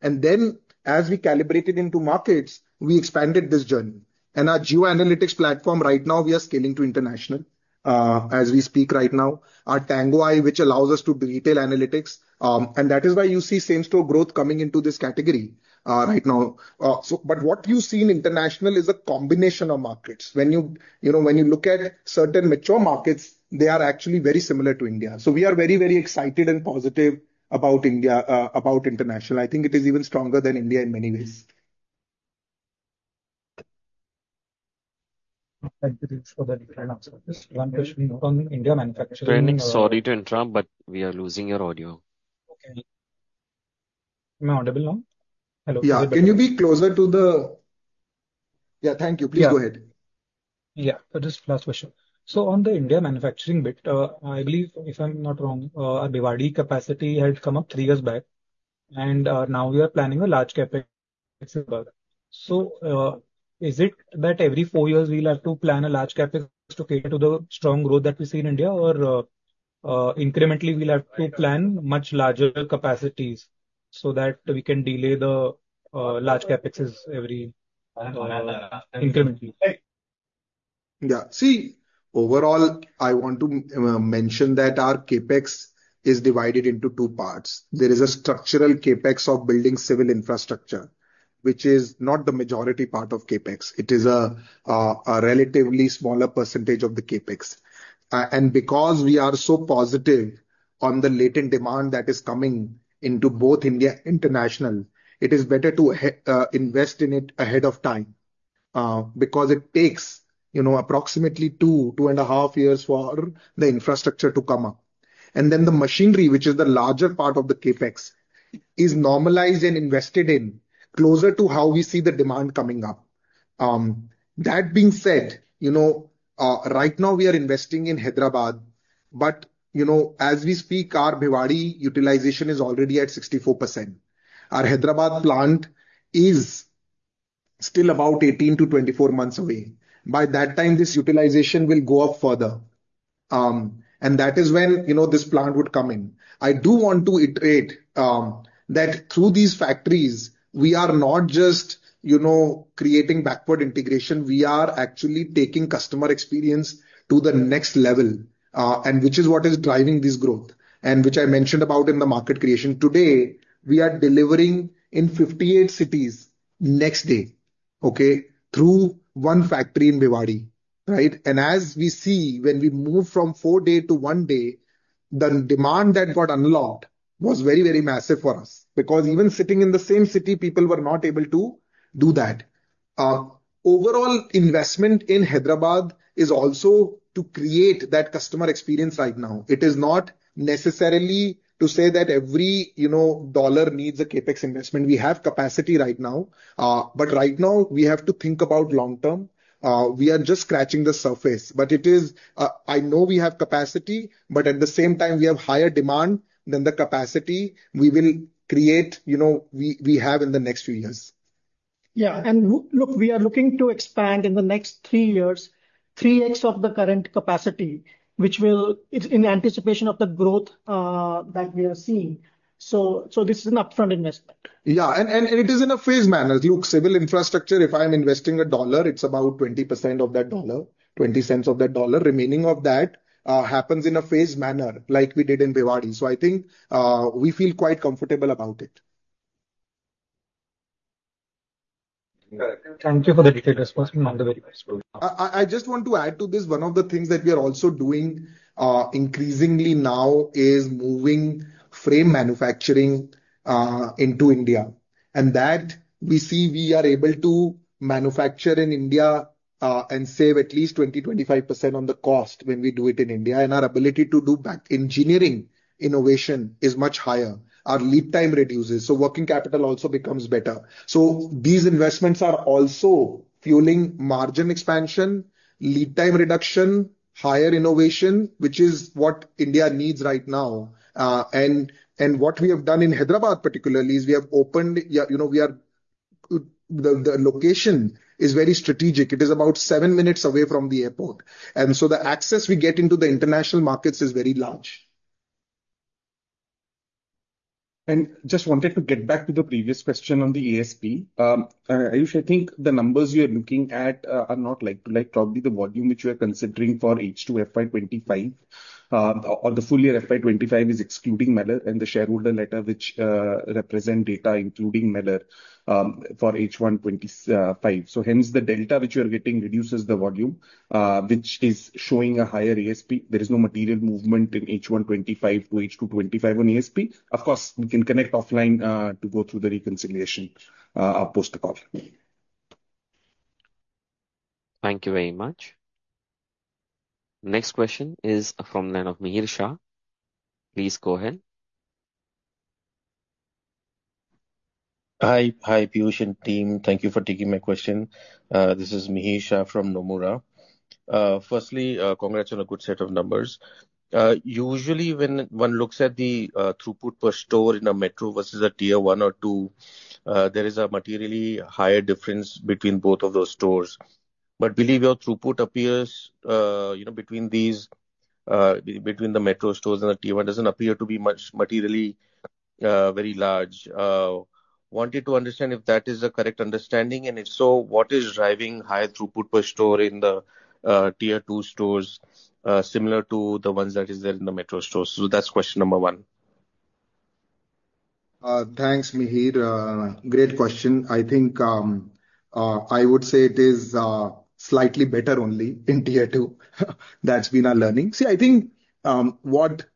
And then, as we calibrated into markets, we expanded this journey. And our geo analytics platform right now, we are scaling to international as we speak right now, our Tango Eye, which allows us to do retail analytics. And that is why you see same-store growth coming into this category right now. But what you see in international is a combination of markets. When you look at certain mature markets, they are actually very similar to India. So we are very, very excited and positive about India, about international. I think it is even stronger than India in many ways.
Thank you for the different answers. One question from Indian manufacturer.
Sorry to interrupt, but we are losing your audio.
Okay. Am I audible now? Hello?
Yeah, can you be closer to the... Yeah, thank you. Please go ahead.
Yeah, just last question. So on the India manufacturing bit, I believe, if I'm not wrong, our Bhiwadi capacity had come up three years back. And now we are planning a large CapEx. So is it that every four years we'll have to plan a large CapEx to cater to the strong growth that we see in India, or incrementally we'll have to plan much larger capacities so that we can delay the large CapEx every incrementally?
Yeah, see, overall, I want to mention that our CapEx is divided into two parts. There is a structural CapEx of building civil infrastructure, which is not the majority part of CapEx. It is a relatively smaller percentage of the CapEx. And because we are so positive on the latent demand that is coming into both India and international, it is better to invest in it ahead of time because it takes, you know, approximately two, two and a half years for the infrastructure to come up. And then the machinery, which is the larger part of the CapEx, is normalized and invested in closer to how we see the demand coming up. That being said, you know, right now we are investing in Hyderabad, but you know, as we speak, our Bhiwadi utilization is already at 64%. Our Hyderabad plant is still about 18-24 months away. By that time, this utilization will go up further. That is when, you know, this plant would come in. I do want to iterate that through these factories, we are not just, you know, creating backward integration. We are actually taking customer experience to the next level, which is what is driving this growth. Which I mentioned about in the market creation today, we are delivering in 58 cities next day, okay, through one factory in Bhiwadi, right? As we see, when we move from four days to one day, the demand that got unlocked was very, very massive for us because even sitting in the same city, people were not able to do that. Overall investment in Hyderabad is also to create that customer experience right now. It is not necessarily to say that every, you know, dollar needs a CapEx investment. We have capacity right now. But right now, we have to think about long-term. We are just scratching the surface. But it is. I know we have capacity, but at the same time, we have higher demand than the capacity we will create, you know, we have in the next few years.
Yeah, and look, we are looking to expand in the next three years, 3x of the current capacity, which will be in anticipation of the growth that we are seeing. So this is an upfront investment.
Yeah, and it is in a phased manner. Look, civil infrastructure, if I'm investing $1, it's about 20% of that $1, $0.20 of that $1. Remaining of that happens in a phased manner like we did in Bhiwadi. So I think we feel quite comfortable about it.
Thank you for the detailed response.
I just want to add to this, one of the things that we are also doing increasingly now is moving frame manufacturing into India. And that we see we are able to manufacture in India and save at least 20%-25% on the cost when we do it in India. And our ability to do back engineering innovation is much higher. Our lead time reduces. So working capital also becomes better. So these investments are also fueling margin expansion, lead time reduction, higher innovation, which is what India needs right now. And what we have done in Hyderabad particularly is we have opened, you know, we are the location is very strategic. It is about seven minutes away from the airport. And so the access we get into the international markets is very large. And just wanted to get back to the previous question on the ASP. I think the numbers you are looking at are not like-for-like. Probably the volume which you are considering for H2 FY25 or the full year FY25 is excluding Meller and the shareholder letter which represents data including Meller for H1'25. So hence the delta which we are getting reduces the volume, which is showing a higher ASP. There is no material movement in H1'25 to H2'25 on ASP. Of course, we can connect offline to go through the reconciliation post the call.
Thank you very much. Next question is from Nomura, Mihir Shah. Please go ahead.
Hi, Peyush and team. Thank you for taking my question. This is Mihir Shah from Nomura. Firstly, congrats on a good set of numbers. Usually, when one looks at the throughput per store in a metro versus a Tier 1 or two, there is a materially higher difference between both of those stores. But we believe your throughput appears, you know, between the metro stores and the Tier 1 doesn't appear to be much materially very large. Wanted to understand if that is a correct understanding and if so, what is driving high throughput per store in the Tier 2 stores similar to the ones that are in the metro stores? So that's question number one.
Thanks, Mihir. Great question. I think I would say it is slightly better only in Tier 2. That's been our learning. See, I think what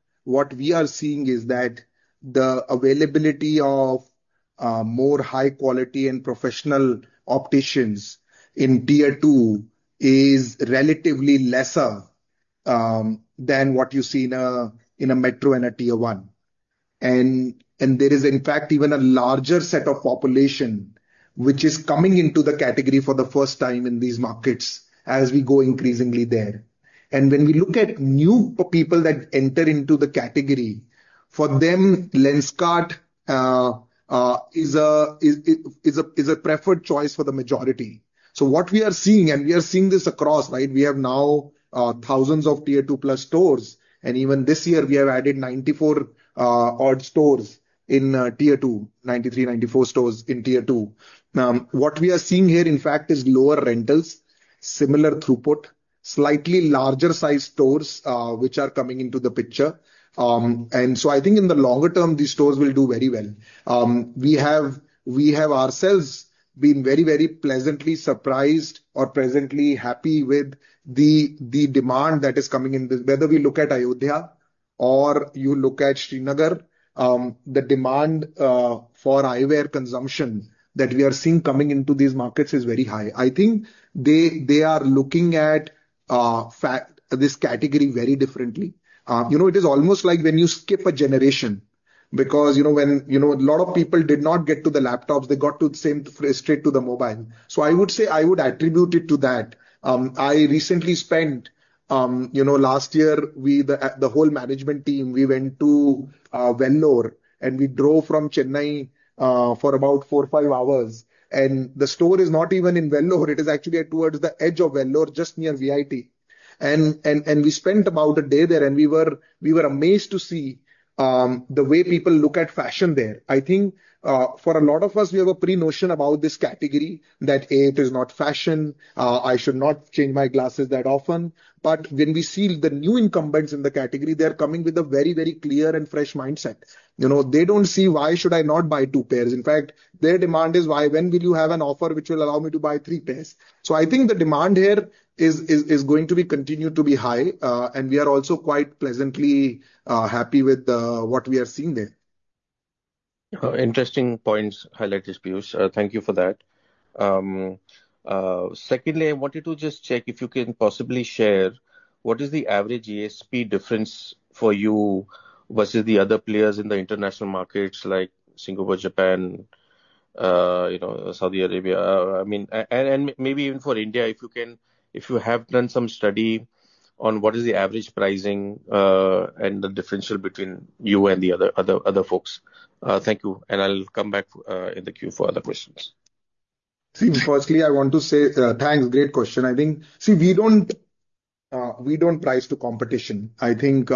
we are seeing is that the availability of more high-quality and professional opticians in Tier 2 is relatively lesser than what you see in a metro and a Tier 1. And there is, in fact, even a larger set of population which is coming into the category for the first time in these markets as we go increasingly there. When we look at new people that enter into the category, for them, Lenskart is a preferred choice for the majority. What we are seeing, and we are seeing this across, right? We have now thousands of Tier 2 plus stores. Even this year, we have added 94 odd stores in Tier 2, 93, 94 stores in Tier 2. What we are seeing here, in fact, is lower rentals, similar throughput, slightly larger size stores which are coming into the picture. I think in the longer term, these stores will do very well. We have ourselves been very, very pleasantly surprised or presently happy with the demand that is coming in. Whether we look at Ayodhya or you look at Srinagar, the demand for eyewear consumption that we are seeing coming into these markets is very high. I think they are looking at this category very differently. You know, it is almost like when you skip a generation because, you know, when you know a lot of people did not get to the laptops, they got to the same straight to the mobile. So I would say I would attribute it to that. I recently spent, you know, last year, the whole management team, we went to Vellore and we drove from Chennai for about four, five hours, and the store is not even in Vellore. It is actually towards the edge of Vellore, just near VIT, and we spent about a day there and we were amazed to see the way people look at fashion there. I think for a lot of us, we have a pre-notion about this category that it is not fashion. I should not change my glasses that often. But when we see the new incumbents in the category, they are coming with a very, very clear and fresh mindset. You know, they don't see why should I not buy two pairs. In fact, their demand is, why when will you have an offer which will allow me to buy three pairs? So I think the demand here is going to continue to be high. And we are also quite pleasantly happy with what we are seeing there.
Interesting points highlighted, Peyush. Thank you for that. Secondly, I wanted to just check if you can possibly share what is the average ASP difference for you versus the other players in the international markets like Singapore, Japan, you know, Saudi Arabia. I mean, and maybe even for India, if you can, if you have done some study on what is the average pricing and the differential between you and the other folks. Thank you. And I'll come back in the queue for other questions.
See, firstly, I want to say thanks. Great question. I think, see, we don't price to competition. I think,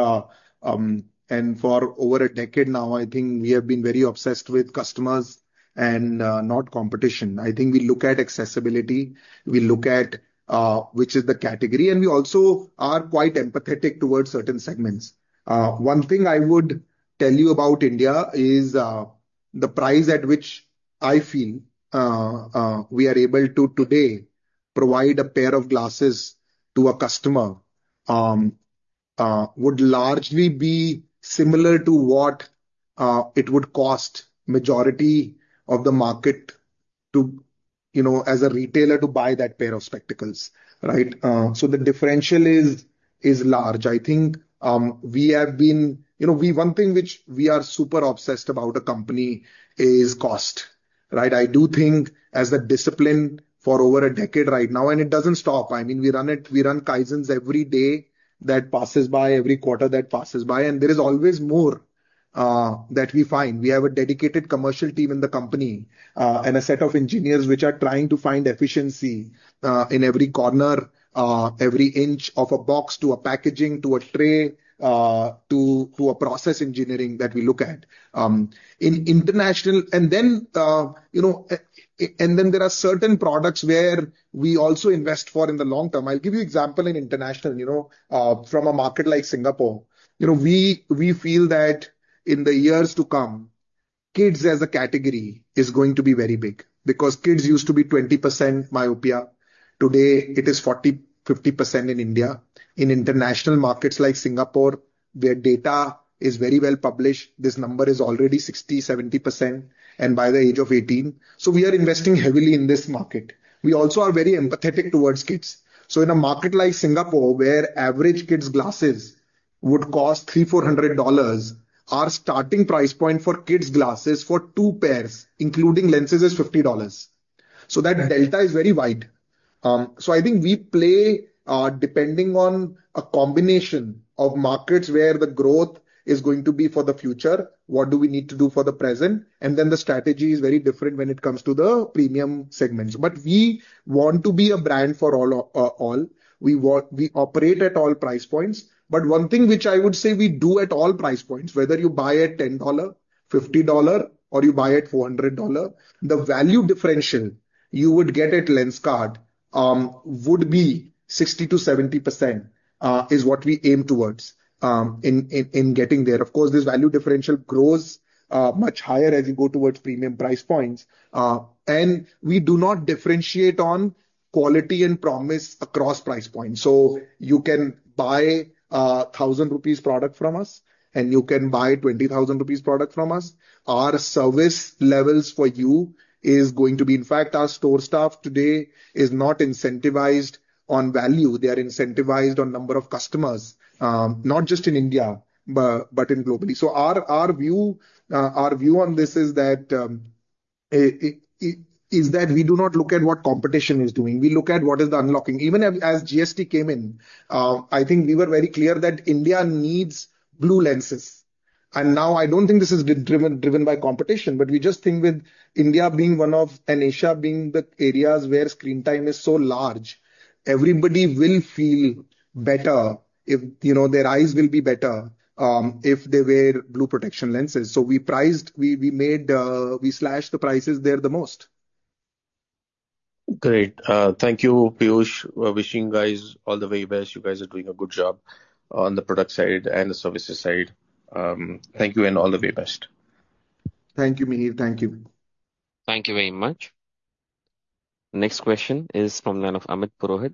and for over a decade now, I think we have been very obsessed with customers and not competition. I think we look at accessibility. We look at which is the category. And we also are quite empathetic towards certain segments. One thing I would tell you about India is the price at which I feel we are able to today provide a pair of glasses to a customer would largely be similar to what it would cost the majority of the market to, you know, as a retailer to buy that pair of spectacles, right? So the differential is large. I think we have been, you know, one thing which we are super obsessed about a company is cost, right? I do think as a discipline for over a decade right now, and it doesn't stop. I mean, we run it, we run Kaizens every day that passes by, every quarter that passes by. And there is always more that we find. We have a dedicated commercial team in the company and a set of engineers which are trying to find efficiency in every corner, every inch of a box to a packaging to a tray to a process engineering that we look at in international, and then, you know, and then there are certain products where we also invest for in the long term. I'll give you an example in international, you know, from a market like Singapore. You know, we feel that in the years to come, kids as a category is going to be very big because kids used to be 20% myopia. Today, it is 40%, 50% in India. In international markets like Singapore, where data is very well published, this number is already 60%, 70%, and by the age of 18. So we are investing heavily in this market. We also are very empathetic towards kids. So in a market like Singapore, where average kids' glasses would cost $300-$400, our starting price point for kids' glasses for two pairs, including lenses, is $50. So that delta is very wide. So I think we play, depending on a combination of markets where the growth is going to be for the future, what do we need to do for the present? And then the strategy is very different when it comes to the premium segments. But we want to be a brand for all. We operate at all price points. But one thing which I would say we do at all price points, whether you buy at $10, $50, or you buy at $400, the value differential you would get at Lenskart would be 60%-70% is what we aim towards in getting there. Of course, this value differential grows much higher as you go towards premium price points. And we do not differentiate on quality and promise across price points. So you can buy an 1,000 rupees product from us, and you can buy an 20,000 rupees product from us. Our service levels for you is going to be, in fact, our store staff today is not incentivized on value. They are incentivized on the number of customers, not just in India, but globally. So our view on this is that we do not look at what competition is doing. We look at what is the unlocking. Even as GST came in, I think we were very clear that India needs blue lenses. Now I don't think this is driven by competition, but we just think with India being one of, and Asia being the areas where screen time is so large, everybody will feel better if, you know, their eyes will be better if they wear blue protection lenses. So we priced, we made, we slashed the prices there the most.
Great. Thank you, Peyush. Wishing you guys all the very best. You guys are doing a good job on the product side and the services side. Thank you and all the very best.
Thank you, Mihir. Thank you.
Thank you very much. Next question is from [Nomura], [Amit Purohit].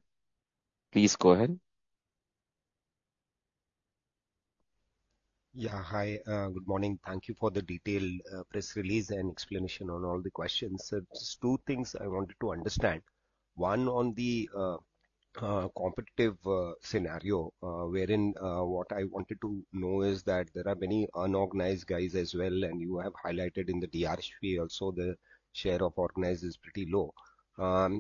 Please go ahead.
Yeah, hi, good morning. Thank you for the detailed press release and explanation on all the questions. There's two things I wanted to understand. On the competitive scenario, what I wanted to know is that there are many unorganized guys as well, and you have highlighted in the DRSP also the share of organized is pretty low. I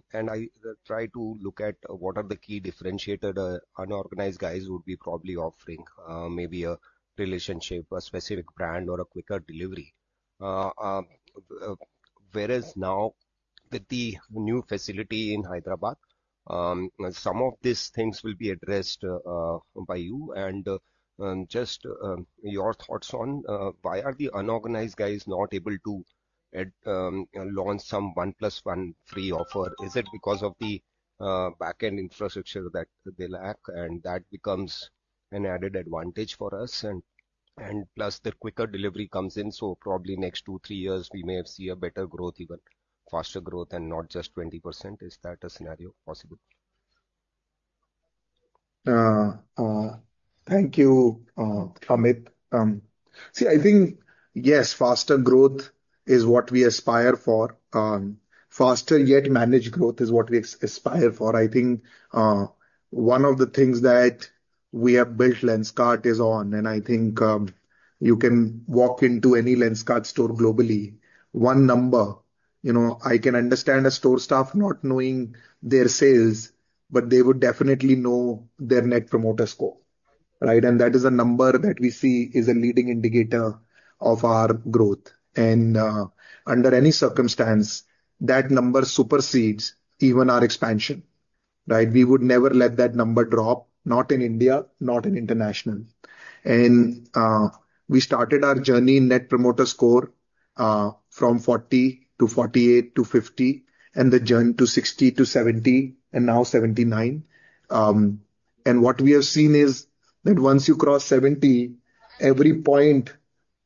try to look at what are the key differentiator unorganized guys would be probably offering maybe a relationship, a specific brand, or a quicker delivery. Whereas now with the new facility in Hyderabad, some of these things will be addressed by you. Just your thoughts on why are the unorganized guys not able to launch some one plus one free offer? Is it because of the backend infrastructure that they lack? And that becomes an added advantage for us. And plus the quicker delivery comes in. So probably next two, three years, we may have seen a better growth, even faster growth, and not just 20%. Is that a scenario possible?
Thank you, Amit. See, I think yes, faster growth is what we aspire for. Faster yet managed growth is what we aspire for. I think one of the things that we have built Lenskart on, and I think you can walk into any Lenskart store globally. One number, you know, I can understand a store staff not knowing their sales, but they would definitely know their Net Promoter Score, right? And that is a number that we see is a leading indicator of our growth, and under any circumstance, that number supersedes even our expansion, right? We would never let that number drop, not in India, not in international, and we started our journey in Net Promoter Score from 40-48-50, and the journey to 60-70, and now 79. What we have seen is that once you cross 70, every point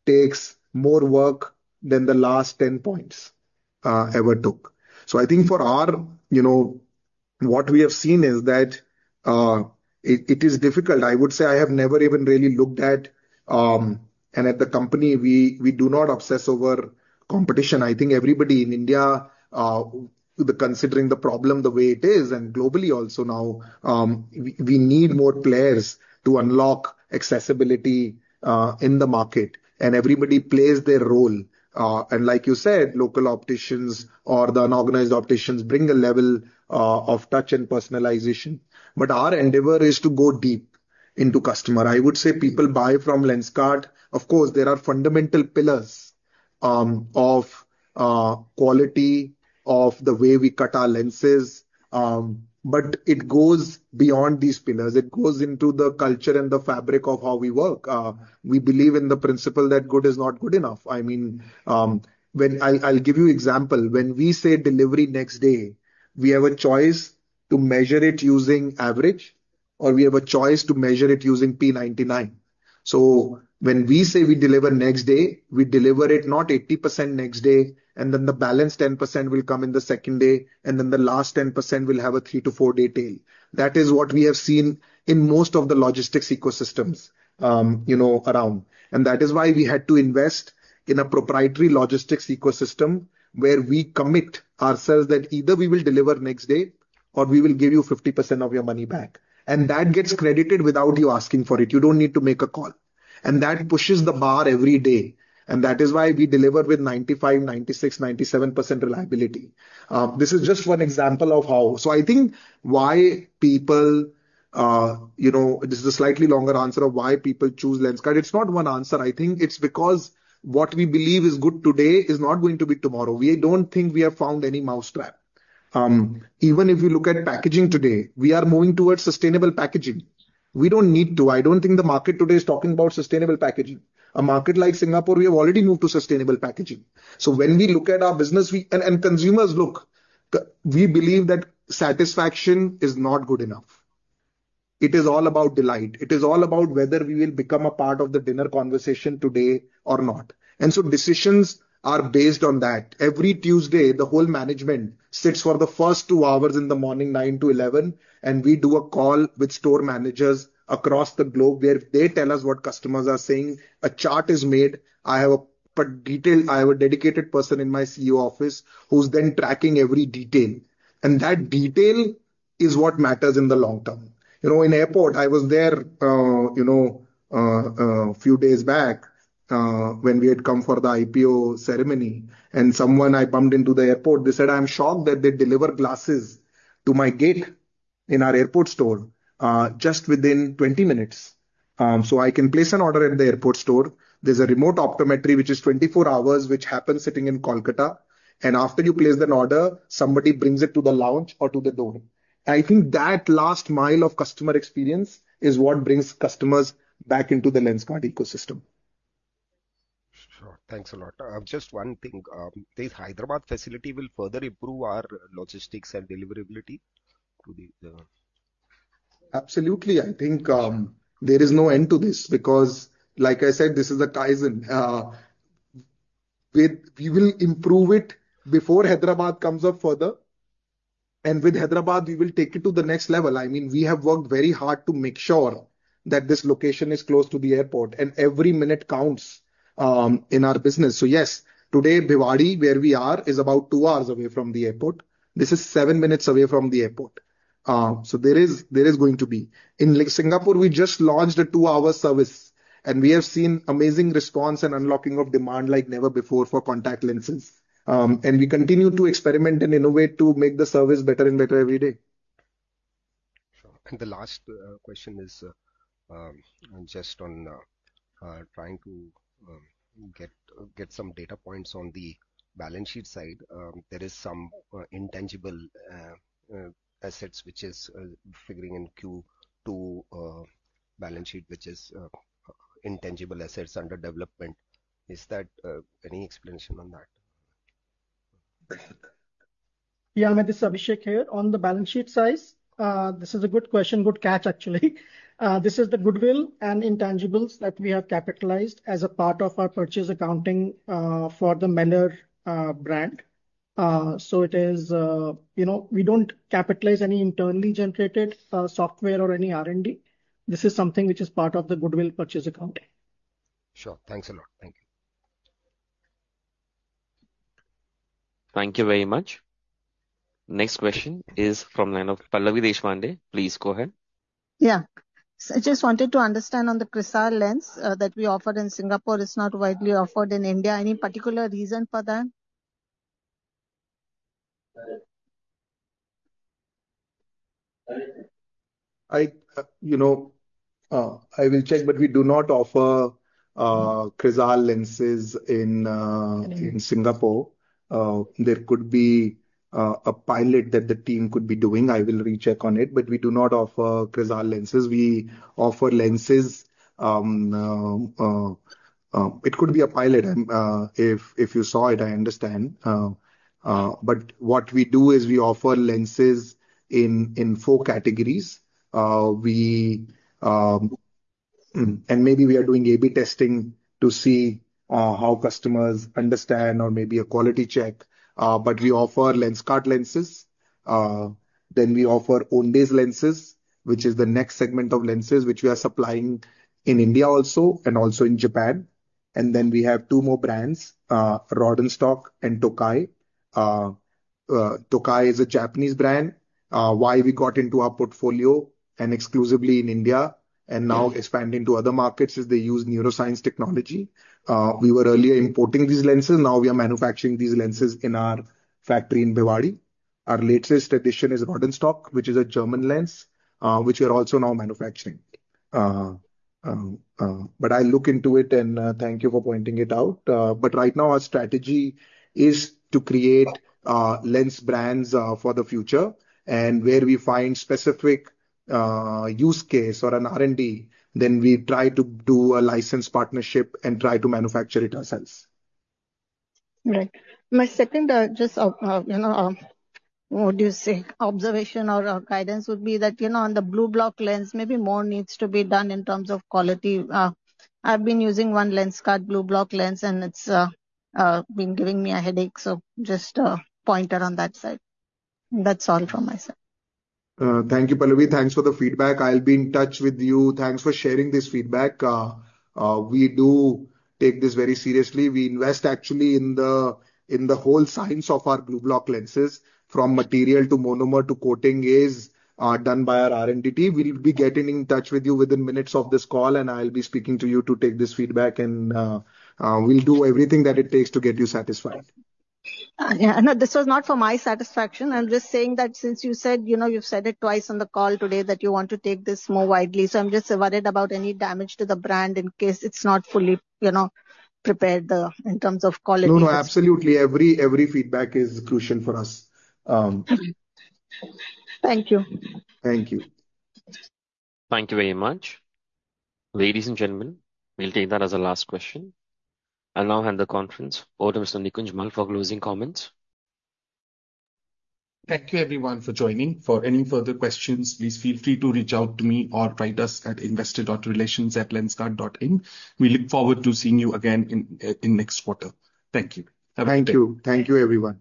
takes more work than the last 10 points ever took. So I think for our, you know, what we have seen is that it is difficult. I would say I have never even really looked at, and at the company, we do not obsess over competition. I think everybody in India is considering the problem the way it is. And globally also now, we need more players to unlock accessibility in the market. And everybody plays their role. And like you said, local opticians or the unorganized opticians bring a level of touch and personalization. But our endeavor is to go deep into customer. I would say people buy from Lenskart. Of course, there are fundamental pillars of quality, of the way we cut our lenses. But it goes beyond these pillars. It goes into the culture and the fabric of how we work. We believe in the principle that good is not good enough. I mean, I'll give you an example. When we say delivery next day, we have a choice to measure it using average, or we have a choice to measure it using P99. So when we say we deliver next day, we deliver it not 80% next day, and then the balance 10% will come in the second day, and then the last 10% will have a three to four day tail. That is what we have seen in most of the logistics ecosystems, you know, around, and that is why we had to invest in a proprietary logistics ecosystem where we commit ourselves that either we will deliver next day, or we will give you 50% of your money back. And that gets credited without you asking for it. You don't need to make a call. And that pushes the bar every day. And that is why we deliver with 95%, 96%, 97% reliability. This is just one example of how. So I think why people, you know, this is a slightly longer answer of why people choose Lenskart. It's not one answer. I think it's because what we believe is good today is not going to be tomorrow. We don't think we have found any mousetrap. Even if you look at packaging today, we are moving towards sustainable packaging. We don't need to. I don't think the market today is talking about sustainable packaging. A market like Singapore, we have already moved to sustainable packaging. So when we look at our business, and consumers look, we believe that satisfaction is not good enough. It is all about delight. It is all about whether we will become a part of the dinner conversation today or not. And so decisions are based on that. Every Tuesday, the whole management sits for the first two hours in the morning, 9:00 A.M. to 11:00 A.M., and we do a call with store managers across the globe where they tell us what customers are saying. A chart is made. I have a detailed, I have a dedicated person in my CEO office who's then tracking every detail. And that detail is what matters in the long term. You know, in airport, I was there, you know, a few days back when we had come for the IPO ceremony, and someone I bumped into the airport, they said, "I'm shocked that they deliver glasses to my gate in our airport store just within 20 minutes." So I can place an order in the airport store. There's a remote optometry which is 24 hours, which happens sitting in Kolkata. And after you place an order, somebody brings it to the lounge or to the door. I think that last mile of customer experience is what brings customers back into the Lenskart ecosystem.
Sure. Thanks a lot. Just one thing. This Hyderabad facility will further improve our logistics and deliverability?
Absolutely. I think there is no end to this because, like I said, this is a Kaizen. We will improve it before Hyderabad comes up further. And with Hyderabad, we will take it to the next level. I mean, we have worked very hard to make sure that this location is close to the airport, and every minute counts in our business. So yes, today, Bhiwadi, where we are, is about two hours away from the airport. This is seven minutes away from the airport. So there is going to be. In Singapore, we just launched a two-hour service, and we have seen amazing response and unlocking of demand like never before for contact lenses. And we continue to experiment and innovate to make the service better and better every day.
Sure. The last question is just on trying to get some data points on the balance sheet side. There are some intangible assets, which is figuring in Q2 balance sheet, which is intangible assets under development. Is that any explanation on that?
Yeah, Amit. Abhishek here on the balance sheet side. This is a good question, good catch actually. This is the goodwill and intangibles that we have capitalized as a part of our purchase accounting for the Meller brand. So it is, you know, we don't capitalize any internally generated software or any R&D. This is something which is part of the goodwill purchase account.
Sure. Thanks a lot.
Thank you very much. Next question is from Pallavi Deshpande. Please go ahead.
Yeah. I just wanted to understand on the Crizal lens that we offered in Singapore, it's not widely offered in India. Any particular reason for that?
You know, I will check, but we do not offer Crizal lenses in Singapore. There could be a pilot that the team could be doing. I will recheck on it, but we do not offer Crizal lenses. We offer lenses. It could be a pilot. If you saw it, I understand. But what we do is we offer lenses in four categories. And maybe we are doing A/B testing to see how customers understand or maybe a quality check. But we offer Lenskart lenses. Then we offer Ondes lenses, which is the next segment of lenses which we are supplying in India also and also in Japan. And then we have two more brands, Rodenstock and Tokai. Tokai is a Japanese brand. Why we got into our portfolio and exclusively in India and now expanding to other markets is they use neuroscience technology. We were earlier importing these lenses. Now we are manufacturing these lenses in our factory in Bhiwadi. Our latest addition is Rodenstock, which is a German lens, which we are also now manufacturing. But I look into it and thank you for pointing it out. But right now, our strategy is to create lens brands for the future. And where we find specific use case or an R&D, then we try to do a license partnership and try to manufacture it ourselves. Right.
My second, just, you know, what do you say? Observation or guidance would be that, you know, on the Blue Block lens, maybe more needs to be done in terms of quality. I've been using one Lenskart Blue Block lens, and it's been giving me a headache. So just a pointer on that side. That's all from my side.
Thank you, Pallavi. Thanks for the feedback. I'll be in touch with you. Thanks for sharing this feedback. We do take this very seriously. We invest actually in the whole science of our Blue Block lenses. From material to monomer to coating is done by our R&D. We'll be getting in touch with you within minutes of this call, and I'll be speaking to you to take this feedback, and we'll do everything that it takes to get you satisfied.
Yeah. This was not for my satisfaction. I'm just saying that since you said, you know, you've said it twice on the call today that you want to take this more widely. So I'm just worried about any damage to the brand in case it's not fully, you know, prepared in terms of quality.
No, no, absolutely. Every feedback is crucial for us.
Thank you.
Thank you.
Thank you very much. Ladies and gentlemen, we'll take that as a last question. I'll now hand the conference over to Mr. Nikunj Mall for closing comments.
Thank you, everyone, for joining. For any further questions, please feel free to reach out to me or write us at investor.relations@lenskart.in. We look forward to seeing you again in next quarter. Thank you.
Thank you. Thank you, everyone.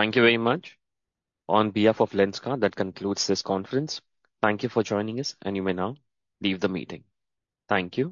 Thank you very much. On behalf of Lenskart, that concludes this conference. Thank you for joining us, and you may now leave the meeting. Thank you.